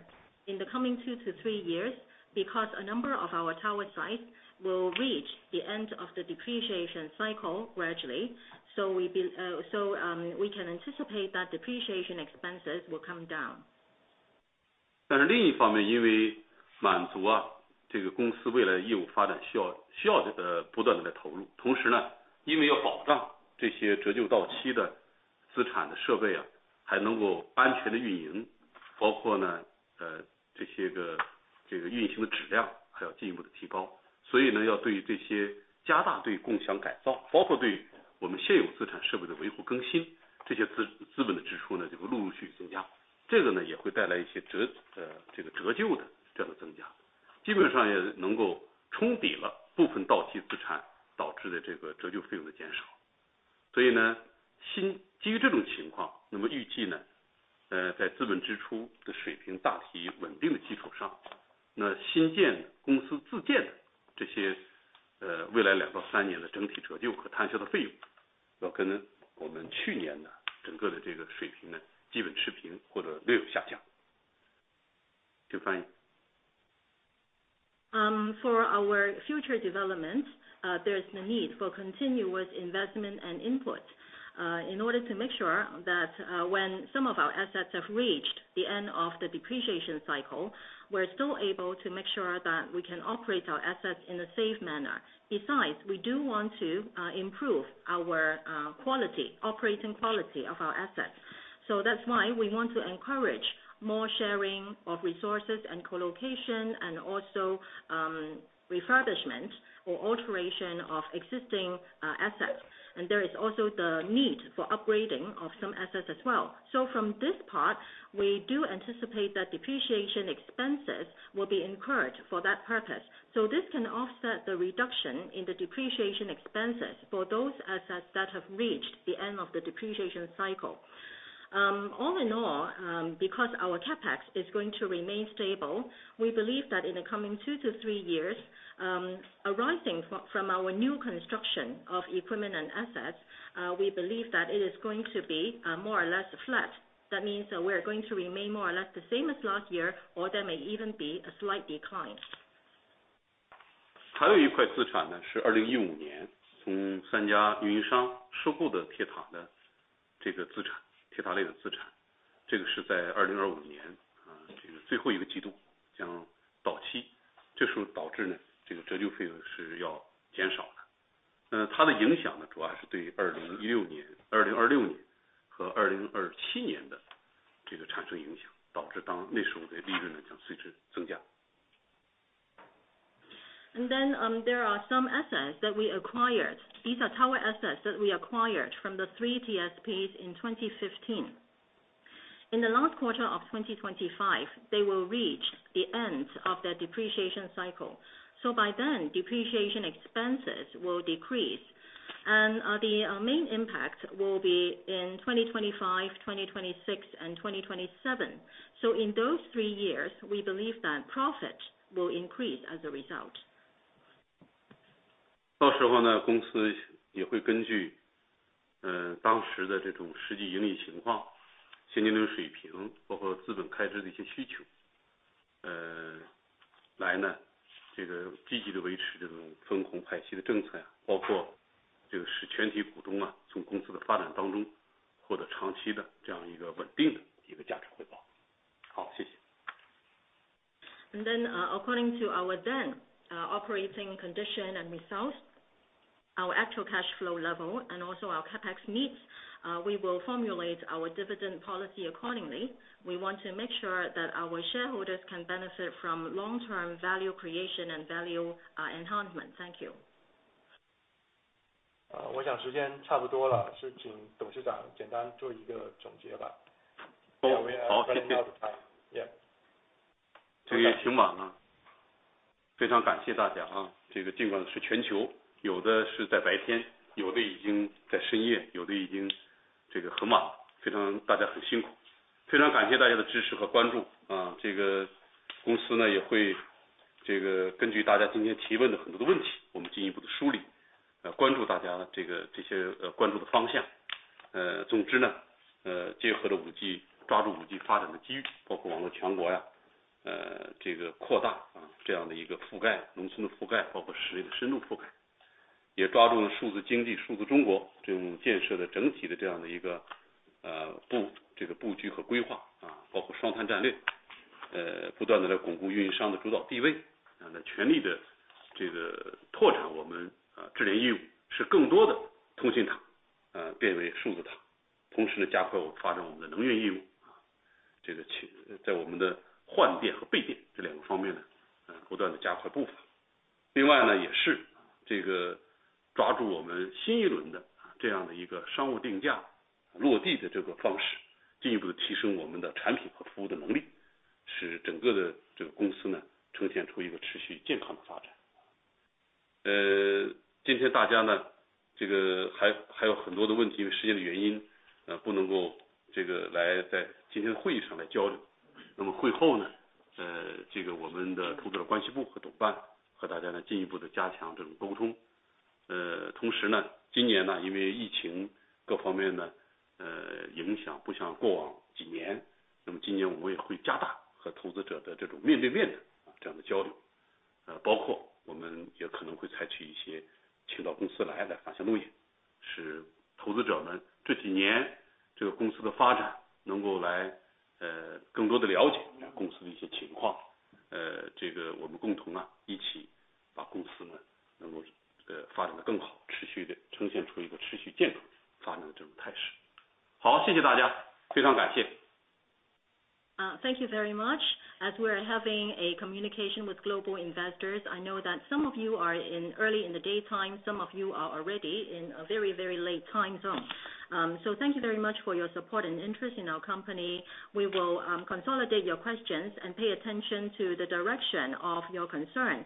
In the coming two to three years, because a number of our tower sites will reach the end of the depreciation cycle gradually, so we can anticipate that depreciation expenses will come down. 另一方 面， 因为满足这个公司未来业务发展需 要， 需要这个不断的投入。因为要保障这些折旧到期的资产的设 备， 还能够安全地运 营， 包括这个运行的质量还要进一步的提高。要对这些加大对共享改 造， 包括对我们现有资产设备的维护更 新， 这些资本的支出就会陆陆续续增 加， 这个也会带来一些折旧的这样的增 加， 基本上也能够冲抵了部分到期资产导致的这个折旧费用的减少。基于这种情 况， 预计在资本支出的水平大体稳定的基础 上， 新建公司自建的这些未来 two to three 年的整体折旧和摊销的费 用， 就可能我们去年整个的这个水平基本持平或者略有下降。For our future development, there is the need for continuous investment and input, in order to make sure that when some of our assets have reached the end of the depreciation cycle, we are still able to make sure that we can operate our assets in a safe manner. Besides, we do want to improve our quality, operating quality of our assets. That's why we want to encourage more sharing of resources and colocation and also refurbishment or alteration of existing assets. There is also the need for upgrading of some assets as well. From this We do anticipate that depreciation expenses will be incurred for that purpose. This can offset the reduction in the depreciation expenses for those assets that have reached the end of the depreciation cycle. All in all, because our CapEx is going to remain stable, we believe that in the coming two to three years, arising from our new construction of equipment and assets, we believe that it is going to be more or less flat. That means we are going to remain more or less the same as last year or there may even be a slight decline. 还有一块资产 呢， 是2015年从三家运营商收购的铁塔的这个资产，铁塔类的资 产， 这个是在2025 年， 呃， 这个最后一个季度将到 期， 这时候导致 呢， 这个折旧费用是要减少的。呃， 它的影响 呢， 主要是对2016年 ，2026 年和2027年的这个产生影 响， 导致当那时候的利润 呢， 将随之增加。There are some assets that we acquired. These are tower assets that we acquired from the three TSPs in 2015. In the last quarter of 2025, they will reach the end of their depreciation cycle. By then depreciation expenses will decrease. The main impact will be in 2025, 2026, and 2027. In those three years, we believe that profit will increase as a result. 到时候 呢， 公司也会根 据， 呃， 当时的这种实际盈利情况、现金流水 平， 包括资本开支的一些需 求， 呃， 来 呢， 这个积极地维持这种分红派息的政 策， 包括这个使全体股东 啊， 从公司的发展当中获得长期的这样一个稳定的一个价值回报。好， 谢谢。According to our then operating condition and results, our actual cash flow level and also our CapEx needs, we will formulate our dividend policy accordingly. We want to make sure that our shareholders can benefit from long term value creation and value enhancement. Thank you. 我想时间差不多 了， 是请董事长简单做一个总结吧。好， 谢谢。We are running out of time. Yeah. 这个也挺忙啊。非常感谢大家 啊， 这个尽管是全 球， 有的是在白 天， 有的已经在深 夜， 有的已经这个很晚 了， 非常大家很辛苦。非常感谢大家的支持和关 注， 啊， 这个公司 呢， 也会这个根据大家今天提问的很多的问 题， 我们进一步地梳 理， 呃关注大家的这个这些关注的方向。呃， 总之 呢， 呃， 结合的 5G， 抓住 5G 发展的机 遇， 包括网络全国呀， 呃， 这个扩大 啊， 这样的一个覆 盖， 农村的覆 盖， 包括实力的深度覆 盖， 也抓住了数字经济、数字中国这种建设的整体的这样的一 个， 呃， 布， 这个布局和规划 啊， 包括双碳战 略， 呃， 不断地来巩固运营商的主导地 位， 那全力地这个拓展我们智能业 务， 使更多的通信 塔， 呃， 变为数字塔。同时加快发展我们的能源业 务， 这个在我们的换电和备电这两个方面不断地加快步伐。另外 呢， 也是这个抓住我们新一轮的这样的一个商务定价落地的这个方 式， 进一步提升我们的产品和服务的能 力， 使整个的这个公司 呢， 呈现出一个持续健康的发展。呃， 今天大家 呢， 这个 还， 还有很多的问 题， 因为时间的原 因， 呃， 不能够这个来在今天的会议上来交流。那么会后 呢， 呃， 这个我们的投资者关系部和董办和大家呢进一步地加强这种沟通。呃， 同时 呢， 今年 呢， 因为疫情各方面 的， 呃， 影响不像过往几 年， 那么今年我们也会加大和投资者的这种面对面的这样的交 流， 呃， 包括我们也可能会采取一些请到公司来的这样的方 式， 使投资者们这几年这个公司的发展能够来， 呃， 更多地了解公司的一些情 况， 呃， 这个我们共同啊一起把公司呢能够发展得更 好， 持续地呈现出一个持续健康发展的这种态势。好， 谢谢大家。非常感谢。Thank you very much. As we are having a communication with global investors, I know that some of you are in early in the daytime. Some of you are already in a very late time zone. Thank you very much for your support and interest in our company. We will consolidate your questions and pay attention to the direction of your concerns.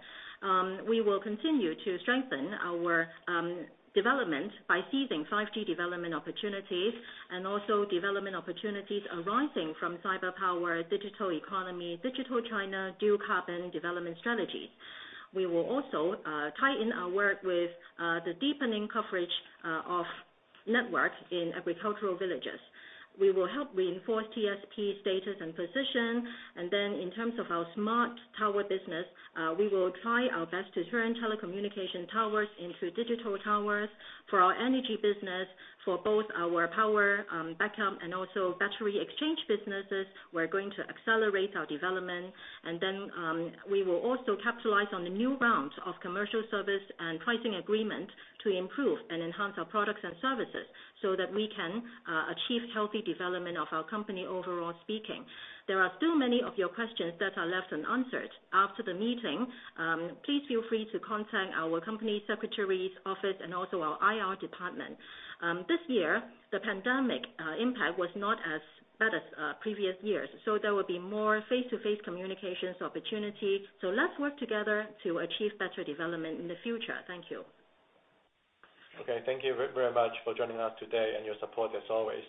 We will continue to strengthen our development by seizing 5G development opportunities and also development opportunities arising from Cyberpower, digital economy, Digital China, dual carbon development strategies. We will also tie in our work with the deepening coverage of networks in agricultural villages. We will help reinforce TSP status and position. In terms of our Smart Tower business, we will try our best to turn telecommunication towers into Digital Towers. For our Energy business, for both our power backup and also battery exchange businesses, we are going to accelerate our development. We will also capitalize on the new rounds of Commercial service and Pricing Agreement to improve and enhance our products and services so that we can achieve healthy development of our company overall speaking. There are still many of your questions that are left unanswered. After the meeting, please feel free to contact our company secretaries office and also our IR department. This year, the pandemic impact was not as bad as previous years, so there will be more face-to-face communications opportunity. Let's work together to achieve better development in the future. Thank you. Okay. Thank you very much for joining us today and your support as always.